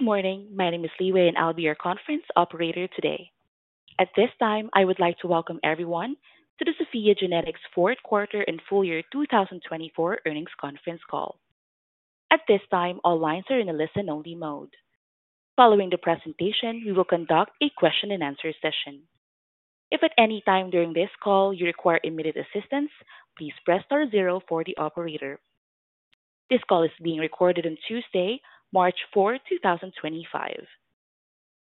Good morning. My name is Li Wei, and I'll be your conference operator today. At this time, I would like to welcome everyone to the SOPHiA GENETICS Fourth Quarter and Full Year 2024 Earnings Conference Call. At this time, all lines are in a listen-only mode. Following the presentation, we will conduct a question-and-answer session. If at any time during this call you require immediate assistance, please press star zero for the operator. This call is being recorded on Tuesday, March 4, 2025.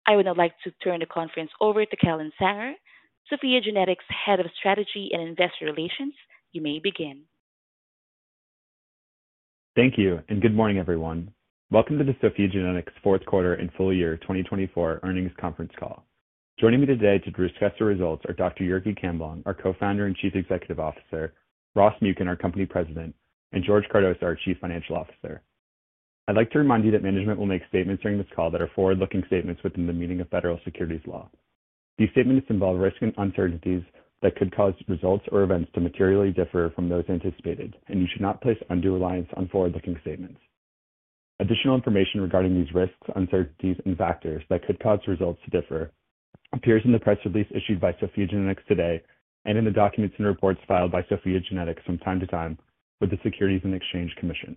I would now like to turn the conference over to Kellen Sanger, SOPHiA GENETICS Head of Strategy and Investor Relations. You may begin. Thank you, and good morning, everyone. Welcome to the SOPHiA GENETICS Fourth Quarter and Full Year 2024 Earnings Conference Call. Joining me today to discuss the results are Dr. Jurgi Camblong, our Co-Founder and Chief Executive Officer; Ross Muken, our Company President; and George Cardoza, our Chief Financial Officer. I'd like to remind you that management will make statements during this call that are forward-looking statements within the meaning of federal securities law. These statements involve risks and uncertainties that could cause results or events to materially differ from those anticipated, and you should not place undue reliance on forward-looking statements. Additional information regarding these risks, uncertainties, and factors that could cause results to differ appears in the press release issued by SOPHiA GENETICS today and in the documents and reports filed by SOPHiA GENETICS from time to time with the Securities and Exchange Commission.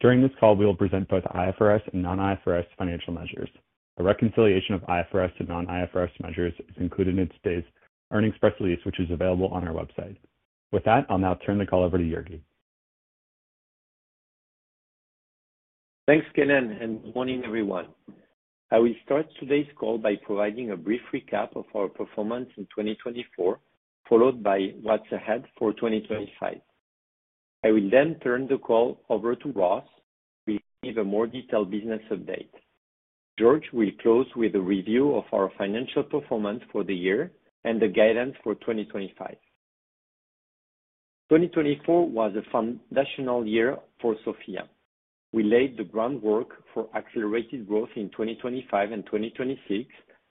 During this call, we will present both IFRS and non-IFRS financial measures. A reconciliation of IFRS to non-IFRS measures is included in today's earnings press release, which is available on our website. With that, I'll now turn the call over to Jurgi. Thanks, Kellen and good morning, everyone. I will start today's call by providing a brief recap of our performance in 2024, followed by what's ahead for 2025. I will then turn the call over to Ross to give a more detailed business update. George will close with a review of our financial performance for the year and the guidance for 2025. 2024 was a foundational year for SOPHiA GENETICS. We laid the groundwork for accelerated growth in 2025 and 2026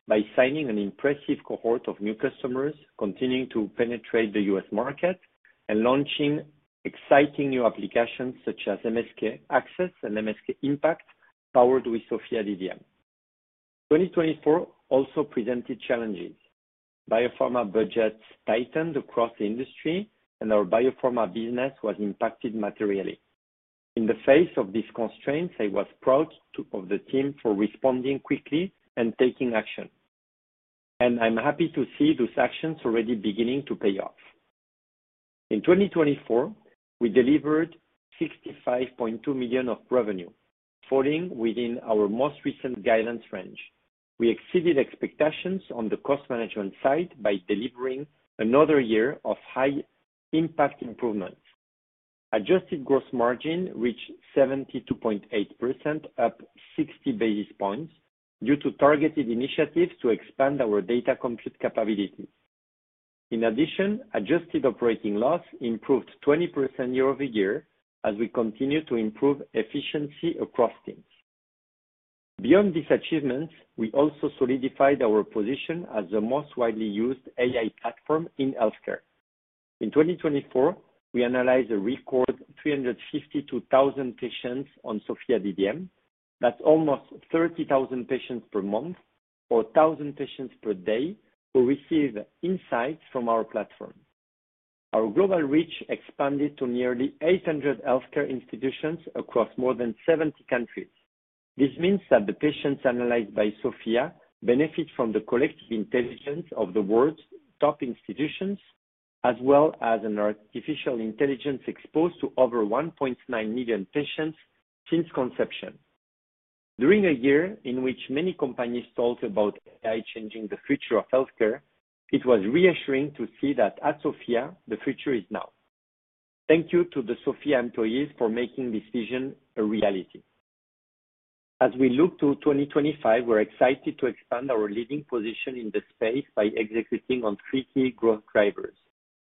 by signing an impressive cohort of new customers, continuing to penetrate the U.S. market, and launching exciting new applications such as MSK-Access and MSK-Impact, powered with SOPHiA DDM. 2024 also presented challenges. Biopharma budgets tightened across the industry, and our biopharma business was impacted materially. In the face of these constraints, I was proud of the team for responding quickly and taking action, and I'm happy to see those actions already beginning to pay off. In 2024, we delivered $65.2 million of revenue, falling within our most recent guidance range. We exceeded expectations on the cost management side by delivering another year of high-impact improvements. Adjusted gross margin reached 72.8%, up 60 basis points, due to targeted initiatives to expand our data compute capabilities. In addition, adjusted operating loss improved 20% year-over-year as we continue to improve efficiency across teams. Beyond these achievements, we also solidified our position as the most widely used AI platform in healthcare. In 2024, we analyzed a record 352,000 patients on SOPHiA DDM. That's almost 30,000 patients per month, or 1,000 patients per day, who receive insights from our platform. Our global reach expanded to nearly 800 healthcare institutions across more than 70 countries. This means that the patients analyzed by SOPHiA benefit from the collective intelligence of the world's top institutions, as well as an artificial intelligence exposed to over 1.9 million patients since conception. During a year in which many companies talked about AI changing the future of healthcare, it was reassuring to see that at SOPHiA, the future is now. Thank you to the SOPHiA employees for making this vision a reality. As we look to 2025, we're excited to expand our leading position in the space by executing on three key growth drivers.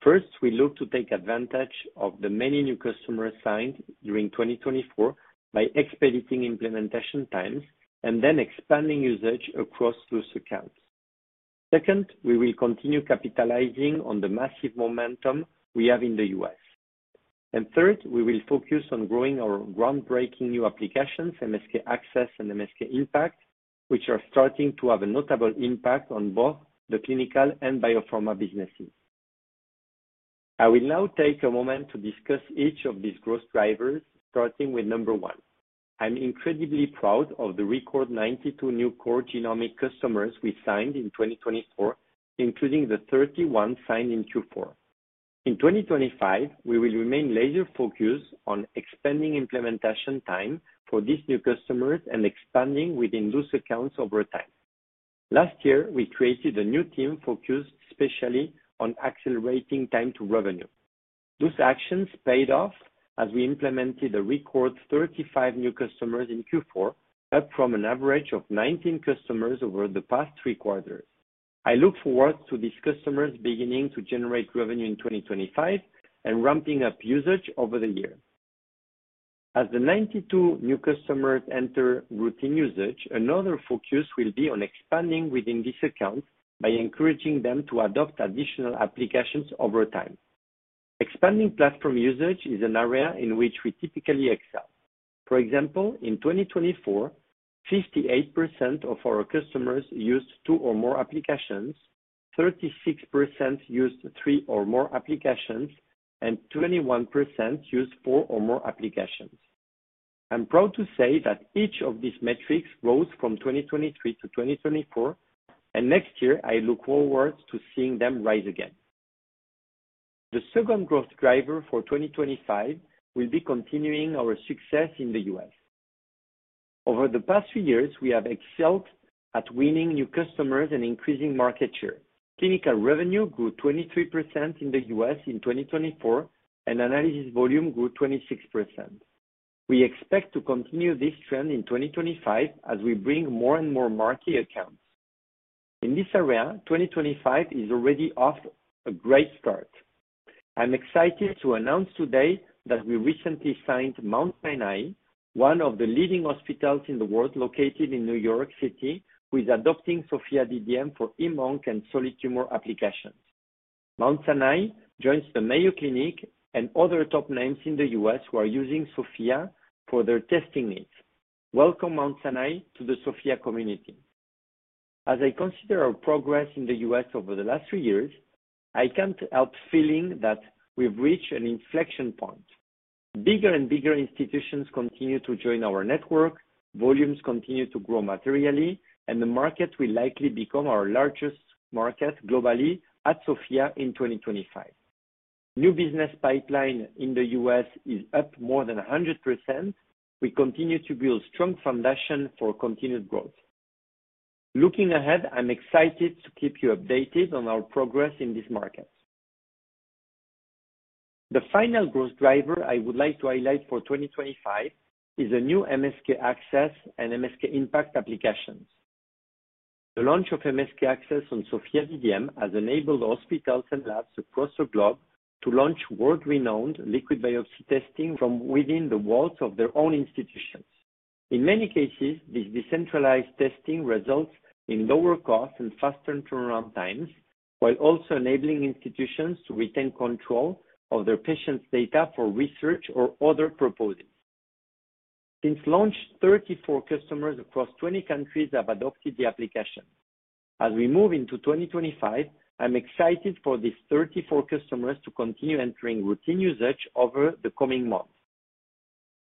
First, we look to take advantage of the many new customers signed during 2024 by expediting implementation times and then expanding usage across those accounts. Second, we will continue capitalizing on the massive momentum we have in the U.S. Third, we will focus on growing our groundbreaking new applications, MSK-Access and MSK-Impact, which are starting to have a notable impact on both the clinical and biopharma businesses. I will now take a moment to discuss each of these growth drivers, starting with number one. I'm incredibly proud of the record 92 new core genomic customers we signed in 2024, including the 31 signed in Q4. In 2025, we will remain laser-focused on expanding implementation time for these new customers and expanding within those accounts over time. Last year, we created a new team focused specially on accelerating time to revenue. Those actions paid off as we implemented a record 35 new customers in Q4, up from an average of 19 customers over the past three quarters. I look forward to these customers beginning to generate revenue in 2025 and ramping up usage over the year. As the 92 new customers enter routine usage, another focus will be on expanding within these accounts by encouraging them to adopt additional applications over time. Expanding platform usage is an area in which we typically excel. For example, in 2024, 58% of our customers used two or more applications, 36% used three or more applications, and 21% used four or more applications. I'm proud to say that each of these metrics rose from 2023 to 2024, and next year, I look forward to seeing them rise again. The second growth driver for 2025 will be continuing our success in the U.S. Over the past few years, we have excelled at winning new customers and increasing market share. Clinical revenue grew 23% in the U.S. in 2024, and analysis volume grew 26%. We expect to continue this trend in 2025 as we bring more and more marquee accounts. In this area, 2025 is already off a great start. I'm excited to announce today that we recently signed Mount Sinai, one of the leading hospitals in the world located in New York City, who is adopting SOPHiA DDM for EMONC and solid tumor applications. Mount Sinai joins the Mayo Clinic and other top names in the U.S. who are using SOPHiA for their testing needs. Welcome, Mount Sinai, to the SOPHiA community. As I consider our progress in the U.S. over the last three years, I can't help feeling that we've reached an inflection point. Bigger and bigger institutions continue to join our network, volumes continue to grow materially, and the market will likely become our largest market globally at SOPHiA in 2025. New business pipeline in the U.S. is up more than 100%. We continue to build a strong foundation for continued growth. Looking ahead, I'm excited to keep you updated on our progress in this market. The final growth driver I would like to highlight for 2025 is the new MSK-Access and MSK-Impact applications. The launch of MSK-Access on SOPHiA DDM has enabled hospitals and labs across the globe to launch world-renowned liquid biopsy testing from within the walls of their own institutions. In many cases, this decentralized testing results in lower costs and faster turnaround times, while also enabling institutions to retain control of their patients' data for research or other purposes. Since launch, 34 customers across 20 countries have adopted the application. As we move into 2025, I'm excited for these 34 customers to continue entering routine usage over the coming months.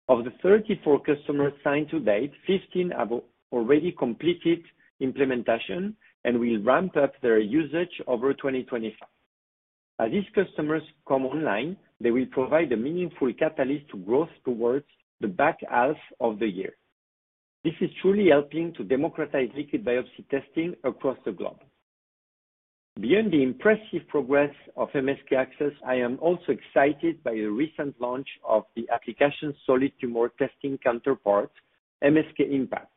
Of the 34 customers signed to date, 15 have already completed implementation and will ramp up their usage over 2025. As these customers come online, they will provide a meaningful catalyst to growth towards the back half of the year. This is truly helping to democratize liquid biopsy testing across the globe. Beyond the impressive progress of MSK-Access, I am also excited by the recent launch of the application's solid tumor testing counterpart, MSK-Impact.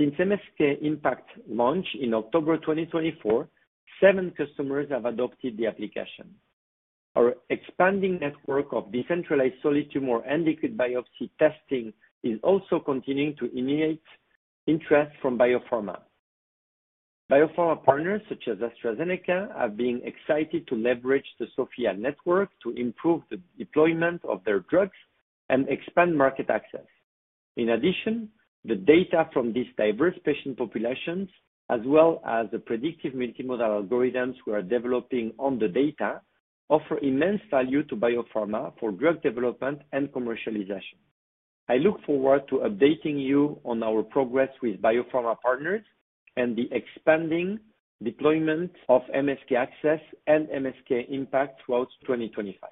Since MSK Impact's launch in October 2024, seven customers have adopted the application. Our expanding network of decentralized solid tumor and liquid biopsy testing is also continuing to innovate interest from biopharma. Biopharma partners such as AstraZeneca have been excited to leverage the SOPHiA network to improve the deployment of their drugs and expand market access. In addition, the data from these diverse patient populations, as well as the predictive multimodal algorithms we are developing on the data, offer immense value to biopharma for drug development and commercialization. I look forward to updating you on our progress with biopharma partners and the expanding deployment of MSK-Access and MSK-Impact throughout 2025.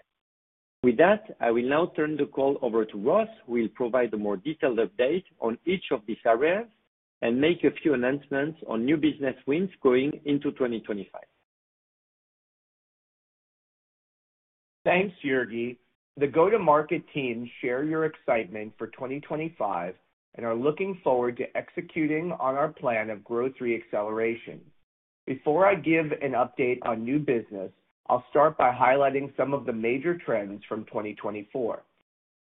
With that, I will now turn the call over to Ross, who will provide a more detailed update on each of these areas and make a few announcements on new business wins going into 2025. Thanks, Jurgi. The go-to-market team share your excitement for 2025 and are looking forward to executing on our plan of growth reacceleration. Before I give an update on new business, I'll start by highlighting some of the major trends from 2024.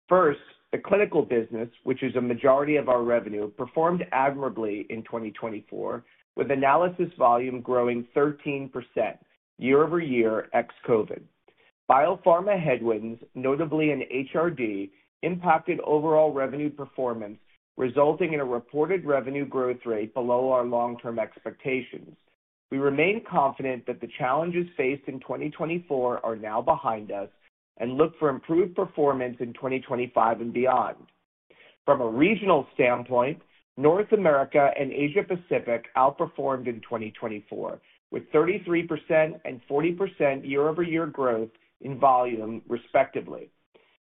First, the clinical business, which is a majority of our revenue, performed admirably in 2024, with analysis volume growing 13% year-over-year ex-COVID. Biopharma headwinds, notably in HRD, impacted overall revenue performance, resulting in a reported revenue growth rate below our long-term expectations. We remain confident that the challenges faced in 2024 are now behind us and look for improved performance in 2025 and beyond. From a regional standpoint, North America and Asia-Pacific outperformed in 2024, with 33% and 40% year-over-year growth in volume, respectively.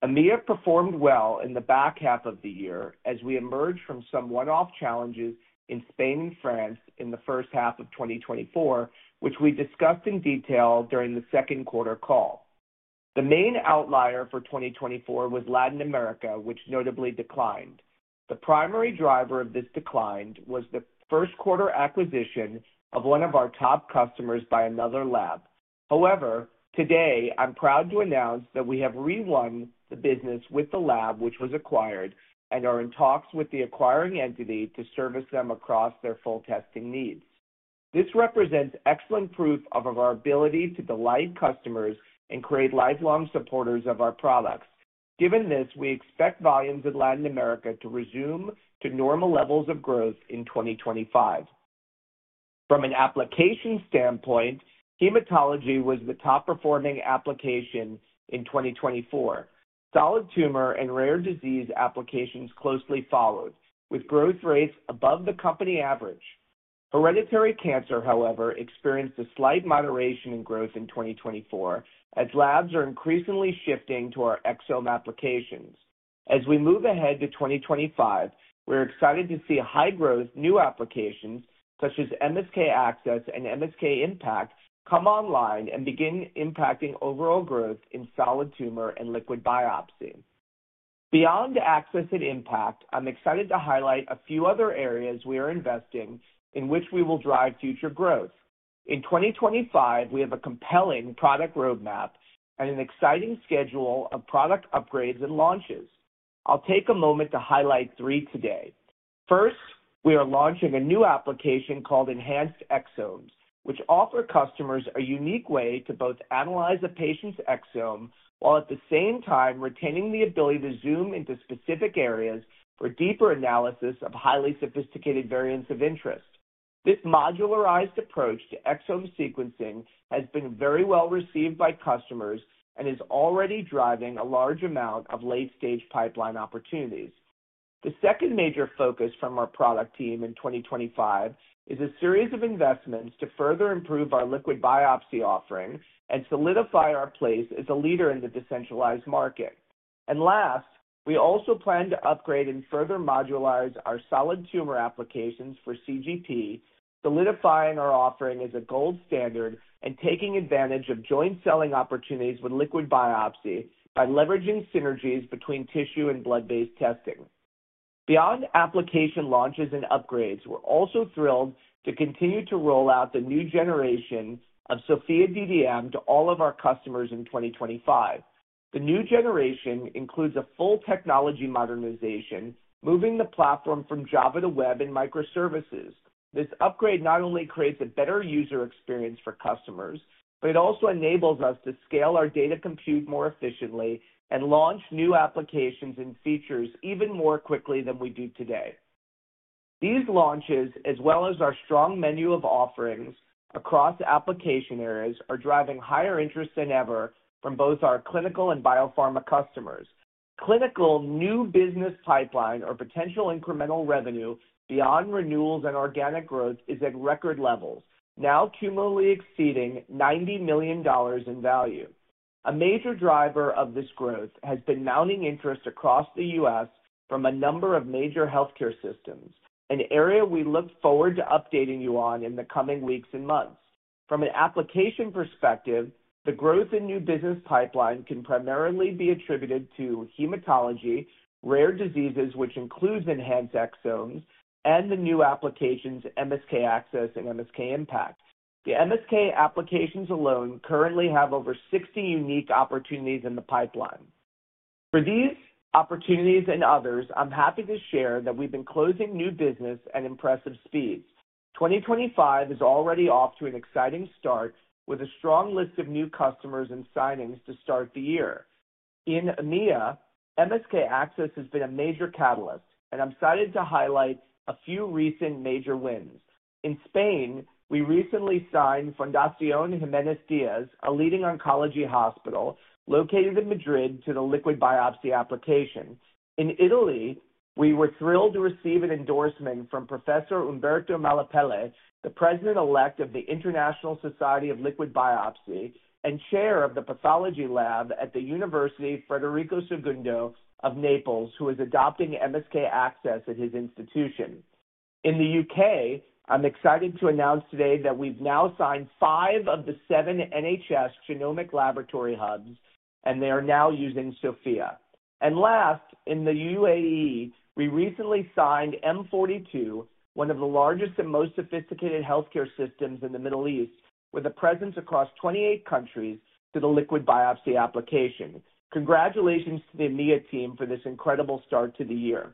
EMEA performed well in the back half of the year as we emerged from some one-off challenges in Spain and France in the first half of 2024, which we discussed in detail during the second quarter call. The main outlier for 2024 was Latin America, which notably declined. The primary driver of this decline was the first-quarter acquisition of one of our top customers by another lab. However, today, I'm proud to announce that we have rewon the business with the lab which was acquired and are in talks with the acquiring entity to service them across their full testing needs. This represents excellent proof of our ability to delight customers and create lifelong supporters of our products. Given this, we expect volumes in Latin America to resume to normal levels of growth in 2025. From an application standpoint, hematology was the top-performing application in 2024. Solid tumor and rare disease applications closely followed, with growth rates above the company average. Hereditary cancer, however, experienced a slight moderation in growth in 2024, as labs are increasingly shifting to our exome applications. As we move ahead to 2025, we're excited to see high-growth new applications such as MSK-Access and MSK-Impact come online and begin impacting overall growth in solid tumor and liquid biopsy. Beyond Access and Impact, I'm excited to highlight a few other areas we are investing in which we will drive future growth. In 2025, we have a compelling product roadmap and an exciting schedule of product upgrades and launches. I'll take a moment to highlight three today. First, we are launching a new application called Enhanced Exomes, which offers customers a unique way to both analyze a patient's exome while at the same time retaining the ability to zoom into specific areas for deeper analysis of highly sophisticated variants of interest. This modularized approach to exome sequencing has been very well received by customers and is already driving a large amount of late-stage pipeline opportunities. The second major focus from our product team in 2025 is a series of investments to further improve our liquid biopsy offering and solidify our place as a leader in the decentralized market. Last, we also plan to upgrade and further modularize our solid tumor applications for CGP, solidifying our offering as a gold standard and taking advantage of joint selling opportunities with liquid biopsy by leveraging synergies between tissue and blood-based testing. Beyond application launches and upgrades, we're also thrilled to continue to roll out the new generation of SOPHiA DDM to all of our customers in 2025. The new generation includes a full technology modernization, moving the platform from Java to web and microservices. This upgrade not only creates a better user experience for customers, but it also enables us to scale our data compute more efficiently and launch new applications and features even more quickly than we do today. These launches, as well as our strong menu of offerings across application areas, are driving higher interest than ever from both our clinical and biopharma customers. Clinical new business pipeline or potential incremental revenue beyond renewals and organic growth is at record levels, now cumulatively exceeding $90 million in value. A major driver of this growth has been mounting interest across the U.S. from a number of major healthcare systems, an area we look forward to updating you on in the coming weeks and months. From an application perspective, the growth in new business pipeline can primarily be attributed to hematology, rare diseases, which includes Enhanced Exomes, and the new applications, MSK-Access and MSK-Impact. The MSK applications alone currently have over 60 unique opportunities in the pipeline. For these opportunities and others, I'm happy to share that we've been closing new business at impressive speeds. 2025 is already off to an exciting start with a strong list of new customers and signings to start the year. In EMEA, MSK-Access has been a major catalyst, and I'm excited to highlight a few recent major wins. In Spain, we recently signed Fundación Jiménez Díaz, a leading oncology hospital located in Madrid, to the liquid biopsy application. In Italy, we were thrilled to receive an endorsement from Professor Umberto Malapelle, the President-elect of the International Society of Liquid Biopsy and Chair of the Pathology Lab at the University Federico II of Naples, who is adopting MSK-Access at his institution. In the U.K., I'm excited to announce today that we've now signed five of the seven NHS genomic laboratory hubs, and they are now using SOPHiA. Last, in the UAE, we recently signed M42, one of the largest and most sophisticated healthcare systems in the Middle East, with a presence across 28 countries to the liquid biopsy application. Congratulations to the EMEA team for this incredible start to the year.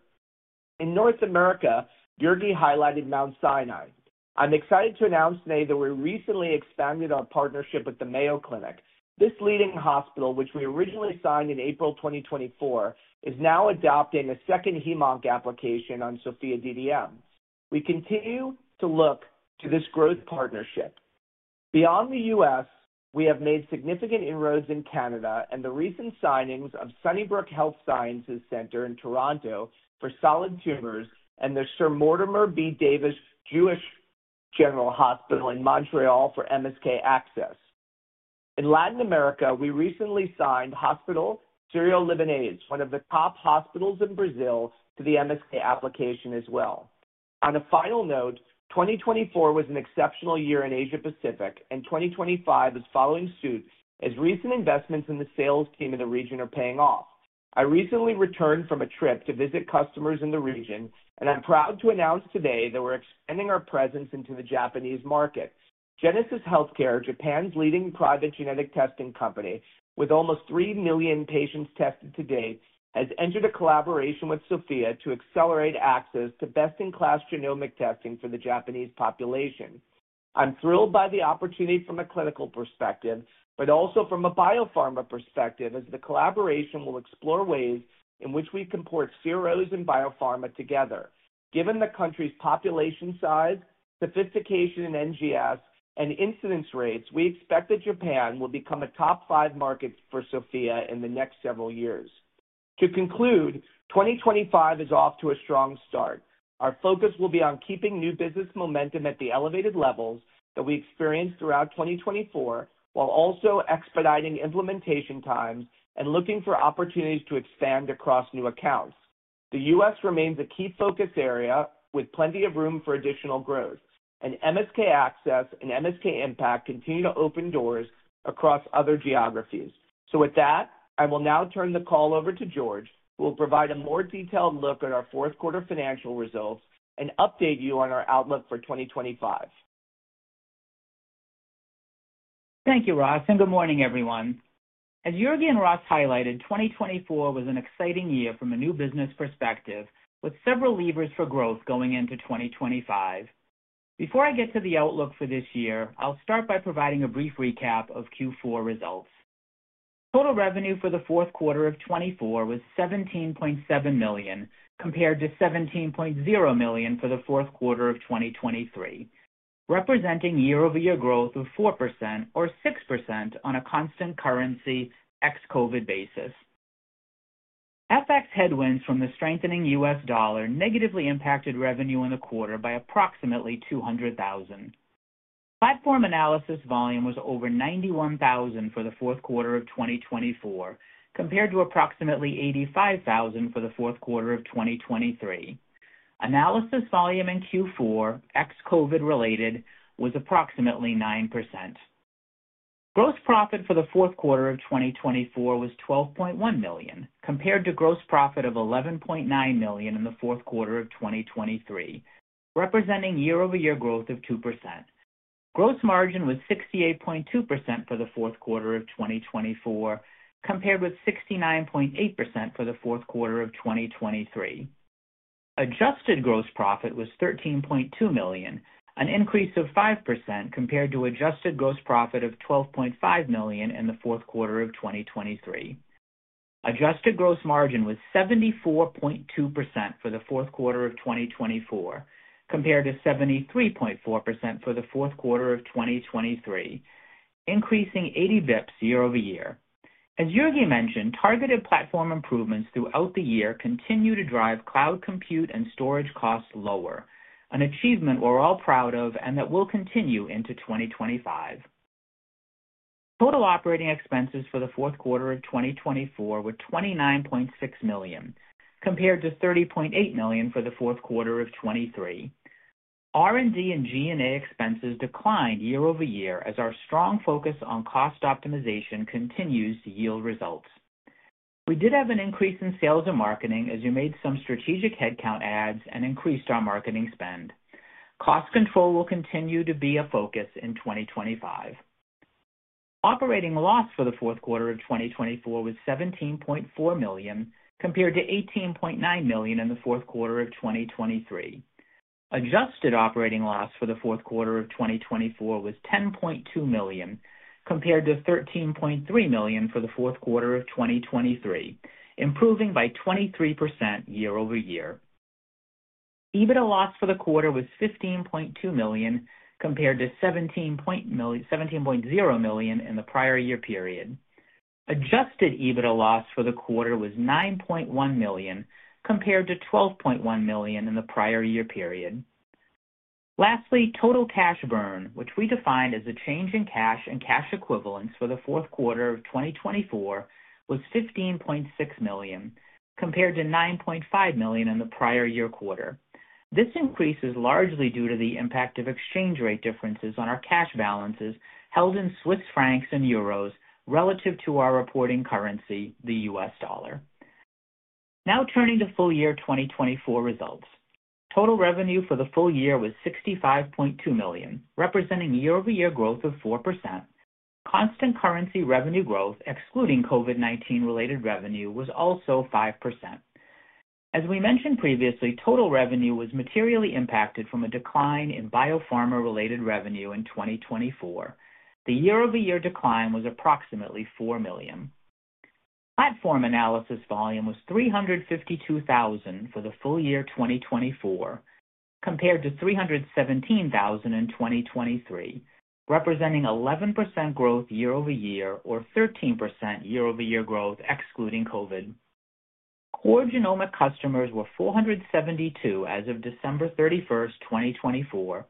In North America, Jurgi highlighted Mount Sinai. I'm excited to announce today that we recently expanded our partnership with the Mayo Clinic. This leading hospital, which we originally signed in April 2024, is now adopting a second EMONC application on SOPHiA DDM. We continue to look to this growth partnership. Beyond the U.S., we have made significant inroads in Canada and the recent signings of Sunnybrook Health Sciences Centre in Toronto for solid tumors and the Sir Mortimer B. Davis Jewish General Hospital in Montreal for MSK-Access. In Latin America, we recently signed Hospital Sírio-Libanês, one of the top hospitals in Brazil, to the MSK application as well. On a final note, 2024 was an exceptional year in Asia-Pacific, and 2025 is following suit as recent investments in the sales team in the region are paying off. I recently returned from a trip to visit customers in the region, and I'm proud to announce today that we're expanding our presence into the Japanese market. Genesis Healthcare, Japan's leading private genetic testing company with almost 3 million patients tested to date, has entered a collaboration with SOPHiA to accelerate access to best-in-class genomic testing for the Japanese population. I'm thrilled by the opportunity from a clinical perspective, but also from a biopharma perspective, as the collaboration will explore ways in which we can port seros and biopharma together. Given the country's population size, sophistication in NGS, and incidence rates, we expect that Japan will become a top five market for SOPHiA in the next several years. To conclude, 2025 is off to a strong start. Our focus will be on keeping new business momentum at the elevated levels that we experienced throughout 2024, while also expediting implementation times and looking for opportunities to expand across new accounts. The U.S. remains a key focus area with plenty of room for additional growth, and MSK-Access and MSK-Impact continue to open doors across other geographies. I will now turn the call over to George, who will provide a more detailed look at our fourth-quarter financial results and update you on our outlook for 2025. Thank you, Ross, and good morning, everyone. As Jurgi and Ross highlighted, 2024 was an exciting year from a new business perspective, with several levers for growth going into 2025. Before I get to the outlook for this year, I'll start by providing a brief recap of Q4 results. Total revenue for the fourth quarter of 2024 was $17.7 million, compared to $17.0 million for the fourth quarter of 2023, representing year-over-year growth of 4% or 6% on a constant currency ex-COVID basis. FX headwinds from the strengthening U.S. dollar negatively impacted revenue in the quarter by approximately $200,000. Platform analysis volume was over 91,000 for the fourth quarter of 2024, compared to approximately 85,000 for the fourth quarter of 2023. Analysis volume in Q4, ex-COVID related, was approximately 9%. Gross profit for the fourth quarter of 2024 was $12.1 million, compared to gross profit of $11.9 million in the fourth quarter of 2023, representing year-over-year growth of 2%. Gross margin was 68.2% for the fourth quarter of 2024, compared with 69.8% for the fourth quarter of 2023. Adjusted gross profit was $13.2 million, an increase of 5% compared to adjusted gross profit of $12.5 million in the fourth quarter of 2023. Adjusted gross margin was 74.2% for the fourth quarter of 2024, compared to 73.4% for the fourth quarter of 2023, increasing 80 basis points year-over-year. As Jurgi mentioned, targeted platform improvements throughout the year continue to drive cloud compute and storage costs lower, an achievement we're all proud of and that will continue into 2025. Total operating expenses for the fourth quarter of 2024 were $29.6 million, compared to $30.8 million for the fourth quarter of 2023. R&D and G&A expenses declined year-over-year as our strong focus on cost optimization continues to yield results. We did have an increase in sales and marketing as you made some strategic headcount adds and increased our marketing spend. Cost control will continue to be a focus in 2025. Operating loss for the fourth quarter of 2024 was $17.4 million, compared to $18.9 million in the fourth quarter of 2023. Adjusted operating loss for the fourth quarter of 2024 was $10.2 million, compared to $13.3 million for the fourth quarter of 2023, improving by 23% year-over-year. EBITDA loss for the quarter was $15.2 million, compared to $17.0 million in the prior year period. Adjusted EBITDA loss for the quarter was $9.1 million, compared to $12.1 million in the prior year period. Lastly, total cash burn, which we defined as a change in cash and cash equivalents for the fourth quarter of 2024, was $15.6 million, compared to $9.5 million in the prior year quarter. This increase is largely due to the impact of exchange rate differences on our cash balances held in Swiss francs and euros relative to our reporting currency, the U.S. dollar. Now turning to full year 2024 results. Total revenue for the full year was $65.2 million, representing year-over-year growth of 4%. Constant currency revenue growth, excluding COVID-19 related revenue, was also 5%. As we mentioned previously, total revenue was materially impacted from a decline in biopharma related revenue in 2024. The year-over-year decline was approximately $4 million. Platform analysis volume was 352,000 for the full year 2024, compared to 317,000 in 2023, representing 11% growth year-over-year or 13% year-over-year growth, excluding COVID. Core genomic customers were 472 as of December 31st, 2024,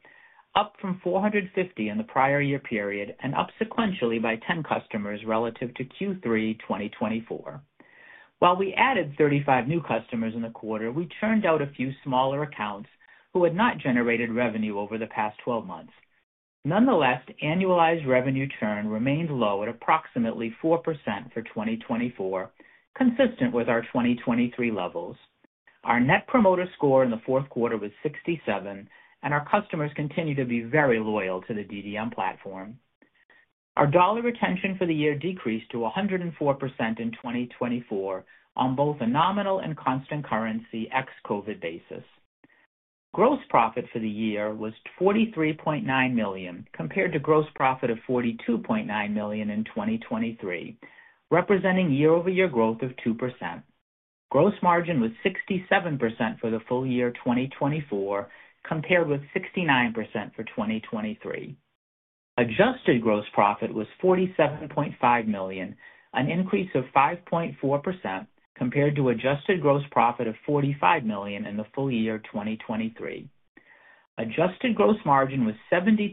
up from 450 in the prior year period and up sequentially by 10 customers relative to Q3, 2024. While we added 35 new customers in the quarter, we churned out a few smaller accounts who had not generated revenue over the past 12 months. Nonetheless, annualized revenue churn remained low at approximately 4% for 2024, consistent with our 2023 levels. Our net promoter score in the fourth quarter was 67, and our customers continue to be very loyal to the DDM platform. Our dollar retention for the year decreased to 104% in 2024 on both a nominal and constant currency ex-COVID basis. Gross profit for the year was $43.9 million, compared to gross profit of $42.9 million in 2023, representing year-over-year growth of 2%. Gross margin was 67% for the full year 2024, compared with 69% for 2023. Adjusted gross profit was $47.5 million, an increase of 5.4% compared to adjusted gross profit of $45 million in the full year 2023. Adjusted gross margin was 72.8%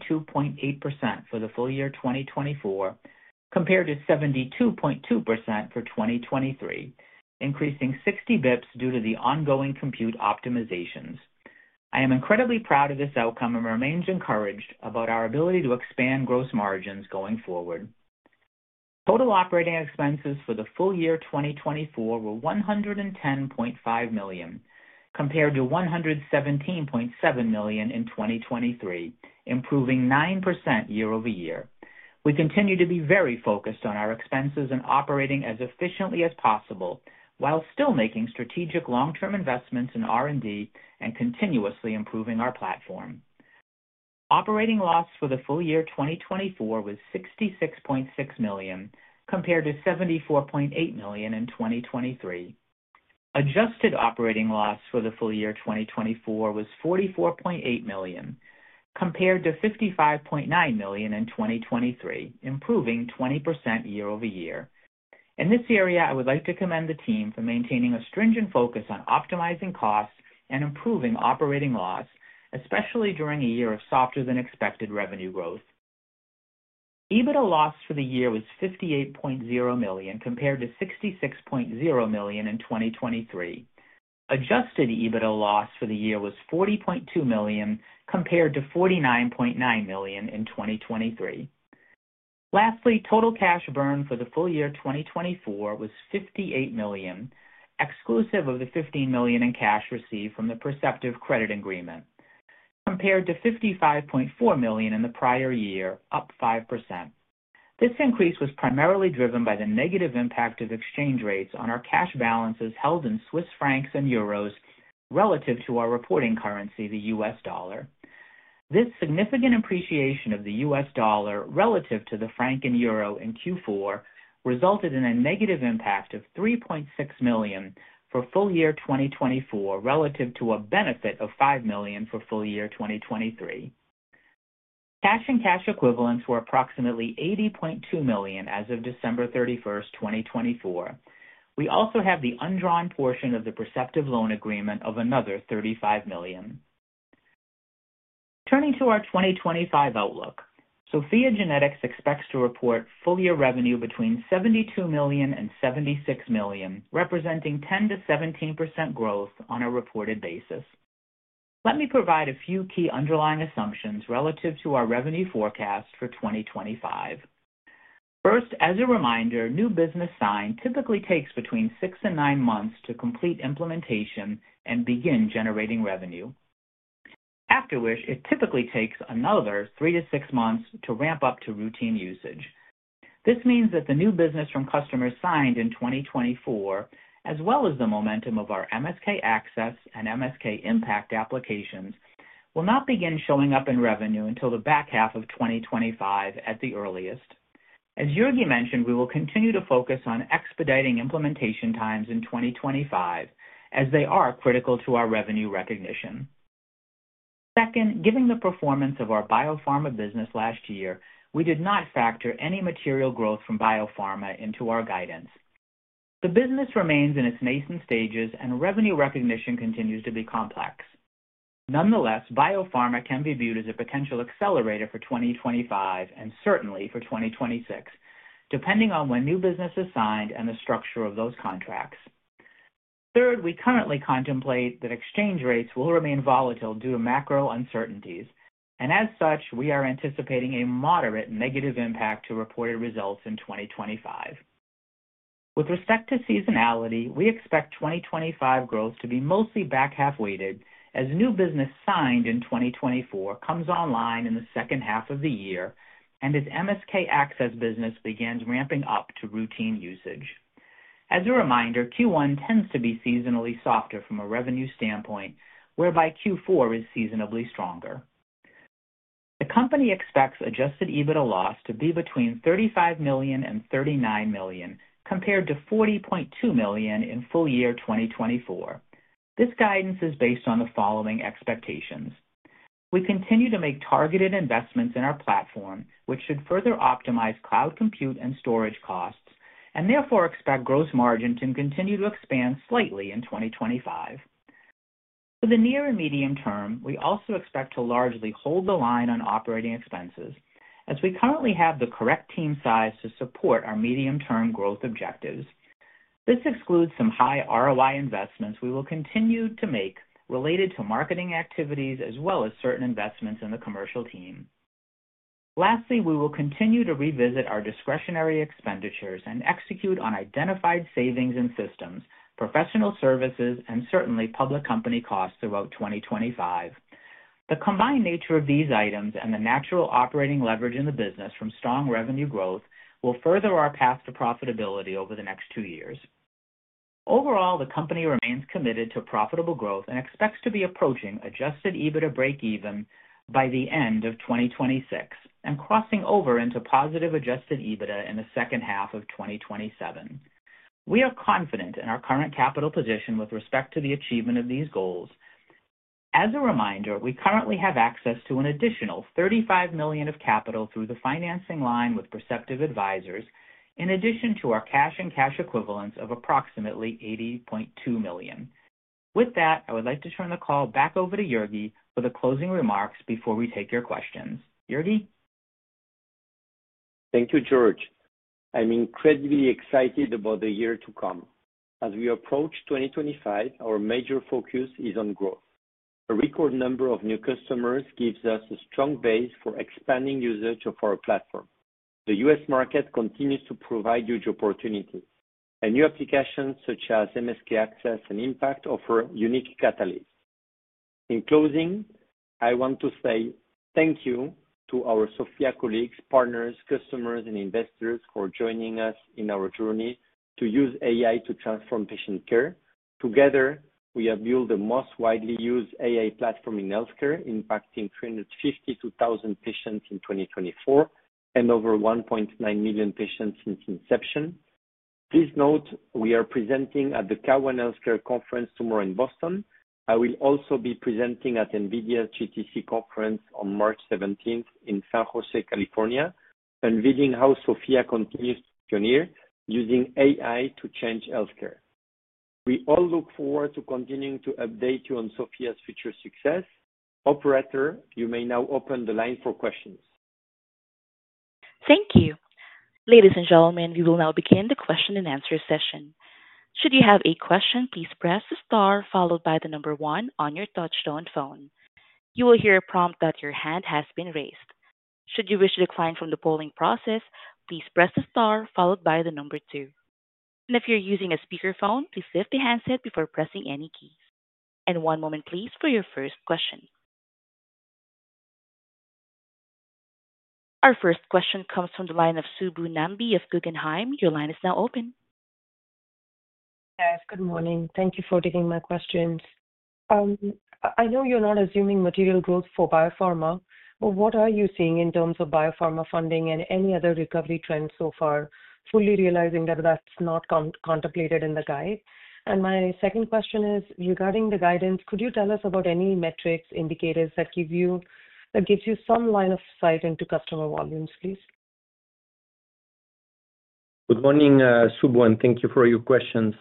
for the full year 2024, compared to 72.2% for 2023, increasing 60 basis points due to the ongoing compute optimizations. I am incredibly proud of this outcome and remain encouraged about our ability to expand gross margins going forward. Total operating expenses for the full year 2024 were $110.5 million, compared to $117.7 million in 2023, improving 9% year-over-year. We continue to be very focused on our expenses and operating as efficiently as possible while still making strategic long-term investments in R&D and continuously improving our platform. Operating loss for the full year 2024 was $66.6 million, compared to $74.8 million in 2023. Adjusted operating loss for the full year 2024 was $44.8 million, compared to $55.9 million in 2023, improving 20% year-over-year. In this area, I would like to commend the team for maintaining a stringent focus on optimizing costs and improving operating loss, especially during a year of softer-than-expected revenue growth. EBITDA loss for the year was $58.0 million, compared to $66.0 million in 2023. Adjusted EBITDA loss for the year was $40.2 million, compared to $49.9 million in 2023. Lastly, total cash burn for the full year 2024 was $58 million, exclusive of the $15 million in cash received from the Perceptive Advisors credit agreement, compared to $55.4 million in the prior year, up 5%. This increase was primarily driven by the negative impact of exchange rates on our cash balances held in Swiss francs and euros relative to our reporting currency, the U.S. dollar. This significant appreciation of the U.S. Dollar relative to the franc and euro in Q4 resulted in a negative impact of $3.6 million for full year 2024, relative to a benefit of $5 million for full year 2023. Cash and cash equivalents were approximately $80.2 million as of December 31st, 2024. We also have the undrawn portion of the Perceptive Advisors loan agreement of another $35 million. Turning to our 2025 outlook, SOPHiA GENETICS expects to report full year revenue between $72 million-$76 million, representing 10%-17% growth on a reported basis. Let me provide a few key underlying assumptions relative to our revenue forecast for 2025. First, as a reminder, new business sign typically takes between six and nine months to complete implementation and begin generating revenue. After which, it typically takes another three to six months to ramp up to routine usage. This means that the new business from customers signed in 2024, as well as the momentum of our MSK-Access and MSK-Impact applications, will not begin showing up in revenue until the back half of 2025 at the earliest. As Jurgi mentioned, we will continue to focus on expediting implementation times in 2025, as they are critical to our revenue recognition. Second, given the performance of our biopharma business last year, we did not factor any material growth from biopharma into our guidance. The business remains in its nascent stages, and revenue recognition continues to be complex. Nonetheless, biopharma can be viewed as a potential accelerator for 2025 and certainly for 2026, depending on when new business is signed and the structure of those contracts. Third, we currently contemplate that exchange rates will remain volatile due to macro uncertainties, and as such, we are anticipating a moderate negative impact to reported results in 2025. With respect to seasonality, we expect 2025 growth to be mostly back half-weighted as new business signed in 2024 comes online in the second half of the year and as MSK-Access business begins ramping up to routine usage. As a reminder, Q1 tends to be seasonally softer from a revenue standpoint, whereby Q4 is seasonably stronger. The company expects adjusted EBITDA loss to be between $35 million and $39 million, compared to $40.2 million in full-year 2024. This guidance is based on the following expectations. We continue to make targeted investments in our platform, which should further optimize cloud compute and storage costs, and therefore expect gross margin to continue to expand slightly in 2025. For the near and medium term, we also expect to largely hold the line on operating expenses, as we currently have the correct team size to support our medium-term growth objectives. This excludes some high ROI investments we will continue to make related to marketing activities, as well as certain investments in the commercial team. Lastly, we will continue to revisit our discretionary expenditures and execute on identified savings in systems, professional services, and certainly public company costs throughout 2025. The combined nature of these items and the natural operating leverage in the business from strong revenue growth will further our path to profitability over the next two years. Overall, the company remains committed to profitable growth and expects to be approaching adjusted EBITDA break-even by the end of 2026 and crossing over into positive adjusted EBITDA in the second half of 2027. We are confident in our current capital position with respect to the achievement of these goals. As a reminder, we currently have access to an additional $35 million of capital through the financing line with Perceptive Advisors, in addition to our cash and cash equivalents of approximately $80.2 million. With that, I would like to turn the call back over to Jurgi for the closing remarks before we take your questions. Jurgi? Thank you, George. I'm incredibly excited about the year to come. As we approach 2025, our major focus is on growth. A record number of new customers gives us a strong base for expanding usage of our platform. The U.S. market continues to provide huge opportunities. New applications such as MSK-Access and MSK-Impact offer unique catalysts. In closing, I want to say thank you to our SOPHiA colleagues, partners, customers, and investors for joining us in our journey to use AI to transform patient care. Together, we have built the most widely used AI platform in healthcare, impacting 352,000 patients in 2024 and over 1.9 million patients since inception. Please note we are presenting at the Cowen Healthcare Conference tomorrow in Boston. I will also be presenting at NVIDIA GTC Conference on March 17th in San Jose, California, unveiling how SOPHiA continues to pioneer using AI to change healthcare. We all look forward to continuing to update you on SOPHiA's future success. Operator, you may now open the line for questions. Thank you. Ladies and gentlemen, we will now begin the question and answer session. Should you have a question, please press the star followed by the number one on your touch-tone phone. You will hear a prompt that your hand has been raised. Should you wish to decline from the polling process, please press the star followed by the number two. If you're using a speakerphone, please lift the handset before pressing any keys. One moment, please, for your first question. Our first question comes from the line of Subu Nambi of Guggenheim. Your line is now open. Yes, good morning. Thank you for taking my questions. I know you're not assuming material growth for biopharma, but what are you seeing in terms of biopharma funding and any other recovery trends so far, fully realizing that that's not contemplated in the guide? My second question is regarding the guidance, could you tell us about any metrics, indicators that give you some line of sight into customer volumes, please? Good morning, Subu, and thank you for your questions.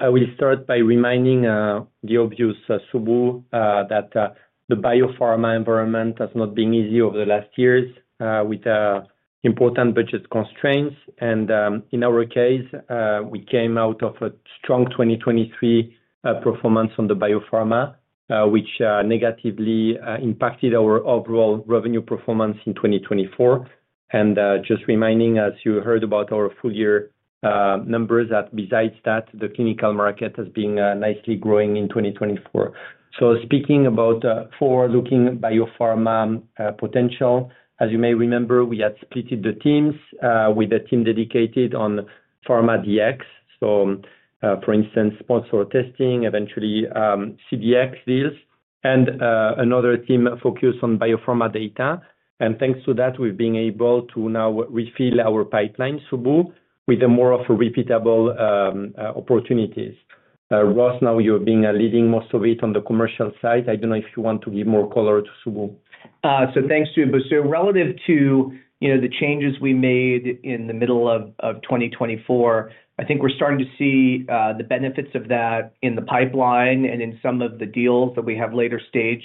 I will start by reminding the obvious, Subu, that the biopharma environment has not been easy over the last years with important budget constraints. In our case, we came out of a strong 2023 performance on the biopharma, which negatively impacted our overall revenue performance in 2024. Just reminding, as you heard about our full year numbers, that besides that, the clinical market has been nicely growing in 2024. Speaking about forward-looking biopharma potential, as you may remember, we had splitted the teams with a team dedicated on pharma DX. For instance, sponsor testing, eventually CDX deals, and another team focused on biopharma data. Thanks to that, we have been able to now refill our pipeline, Subu, with more of repeatable opportunities. Ross, now you have been leading most of it on the commercial side. I don't know if you want to give more color to Subu. Thanks, Subu. Relative to the changes we made in the middle of 2024, I think we're starting to see the benefits of that in the pipeline and in some of the deals that we have later stage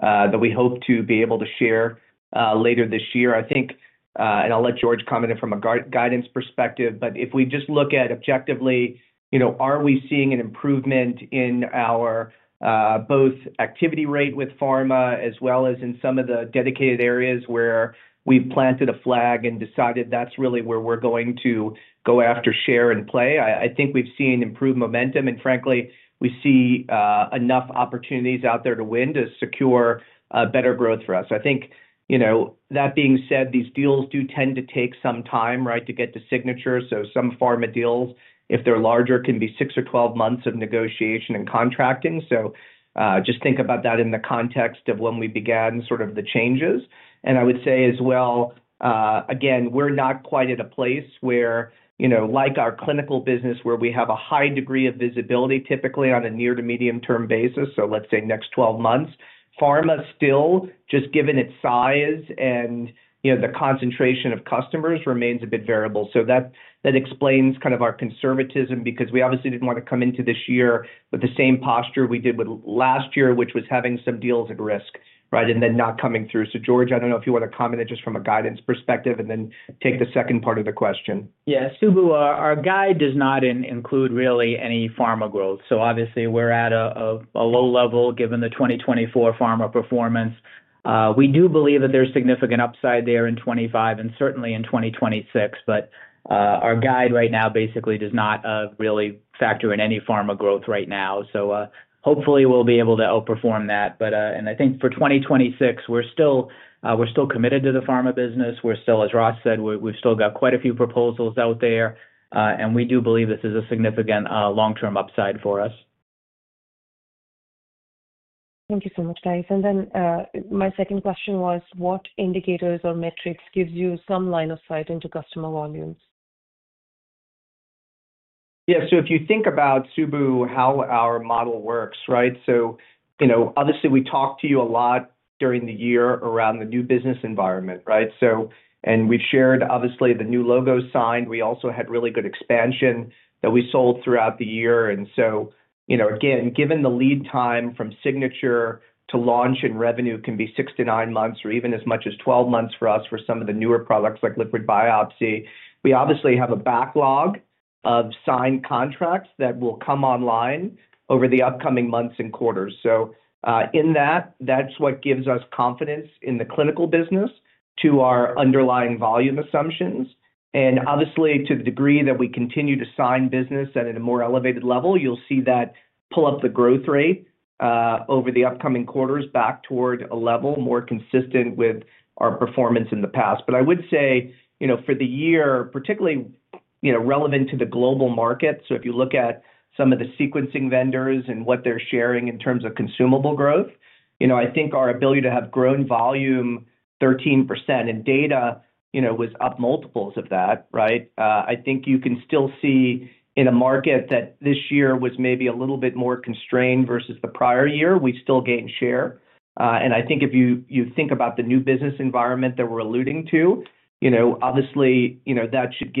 that we hope to be able to share later this year. I think, and I'll let George comment from a guidance perspective, but if we just look at objectively, are we seeing an improvement in our both activity rate with pharma as well as in some of the dedicated areas where we've planted a flag and decided that's really where we're going to go after share and play? I think we've seen improved momentum, and frankly, we see enough opportunities out there to win to secure better growth for us. I think that being said, these deals do tend to take some time to get the signature. Some pharma deals, if they're larger, can be 6 - 12 months of negotiation and contracting. Just think about that in the context of when we began sort of the changes. I would say as well, again, we're not quite at a place where, like our clinical business, where we have a high degree of visibility typically on a near to medium-term basis, so let's say next 12 months, pharma still, just given its size and the concentration of customers, remains a bit variable. That explains kind of our conservatism because we obviously didn't want to come into this year with the same posture we did with last year, which was having some deals at risk and then not coming through. George, I don't know if you want to comment it just from a guidance perspective and then take the second part of the question. Yes, Subu, our guide does not include really any pharma growth. Obviously, we're at a low level given the 2024 pharma performance. We do believe that there's significant upside there in 2025 and certainly in 2026, but our guide right now basically does not really factor in any pharma growth right now. Hopefully, we'll be able to outperform that. I think for 2026, we're still committed to the pharma business. We're still, as Ross said, we've still got quite a few proposals out there, and we do believe this is a significant long-term upside for us. Thank you so much, guys. My second question was, what indicators or metrics gives you some line of sight into customer volumes? Yeah, if you think about Subu, how our model works, right? Obviously, we talked to you a lot during the year around the new business environment, right? We've shared, obviously, the new logo signed. We also had really good expansion that we sold throughout the year. Again, given the lead time from signature to launch and revenue can be six to nine months or even as much as 12 months for us for some of the newer products like liquid biopsy. We obviously have a backlog of signed contracts that will come online over the upcoming months and quarters. In that, that's what gives us confidence in the clinical business to our underlying volume assumptions. Obviously, to the degree that we continue to sign business at a more elevated level, you'll see that pull up the growth rate over the upcoming quarters back toward a level more consistent with our performance in the past. I would say for the year, particularly relevant to the global market, if you look at some of the sequencing vendors and what they're sharing in terms of consumable growth, I think our ability to have grown volume 13% and data was up multiples of that, right? I think you can still see in a market that this year was maybe a little bit more constrained versus the prior year, we still gain share. I think if you think about the new business environment that we're alluding to, obviously, that should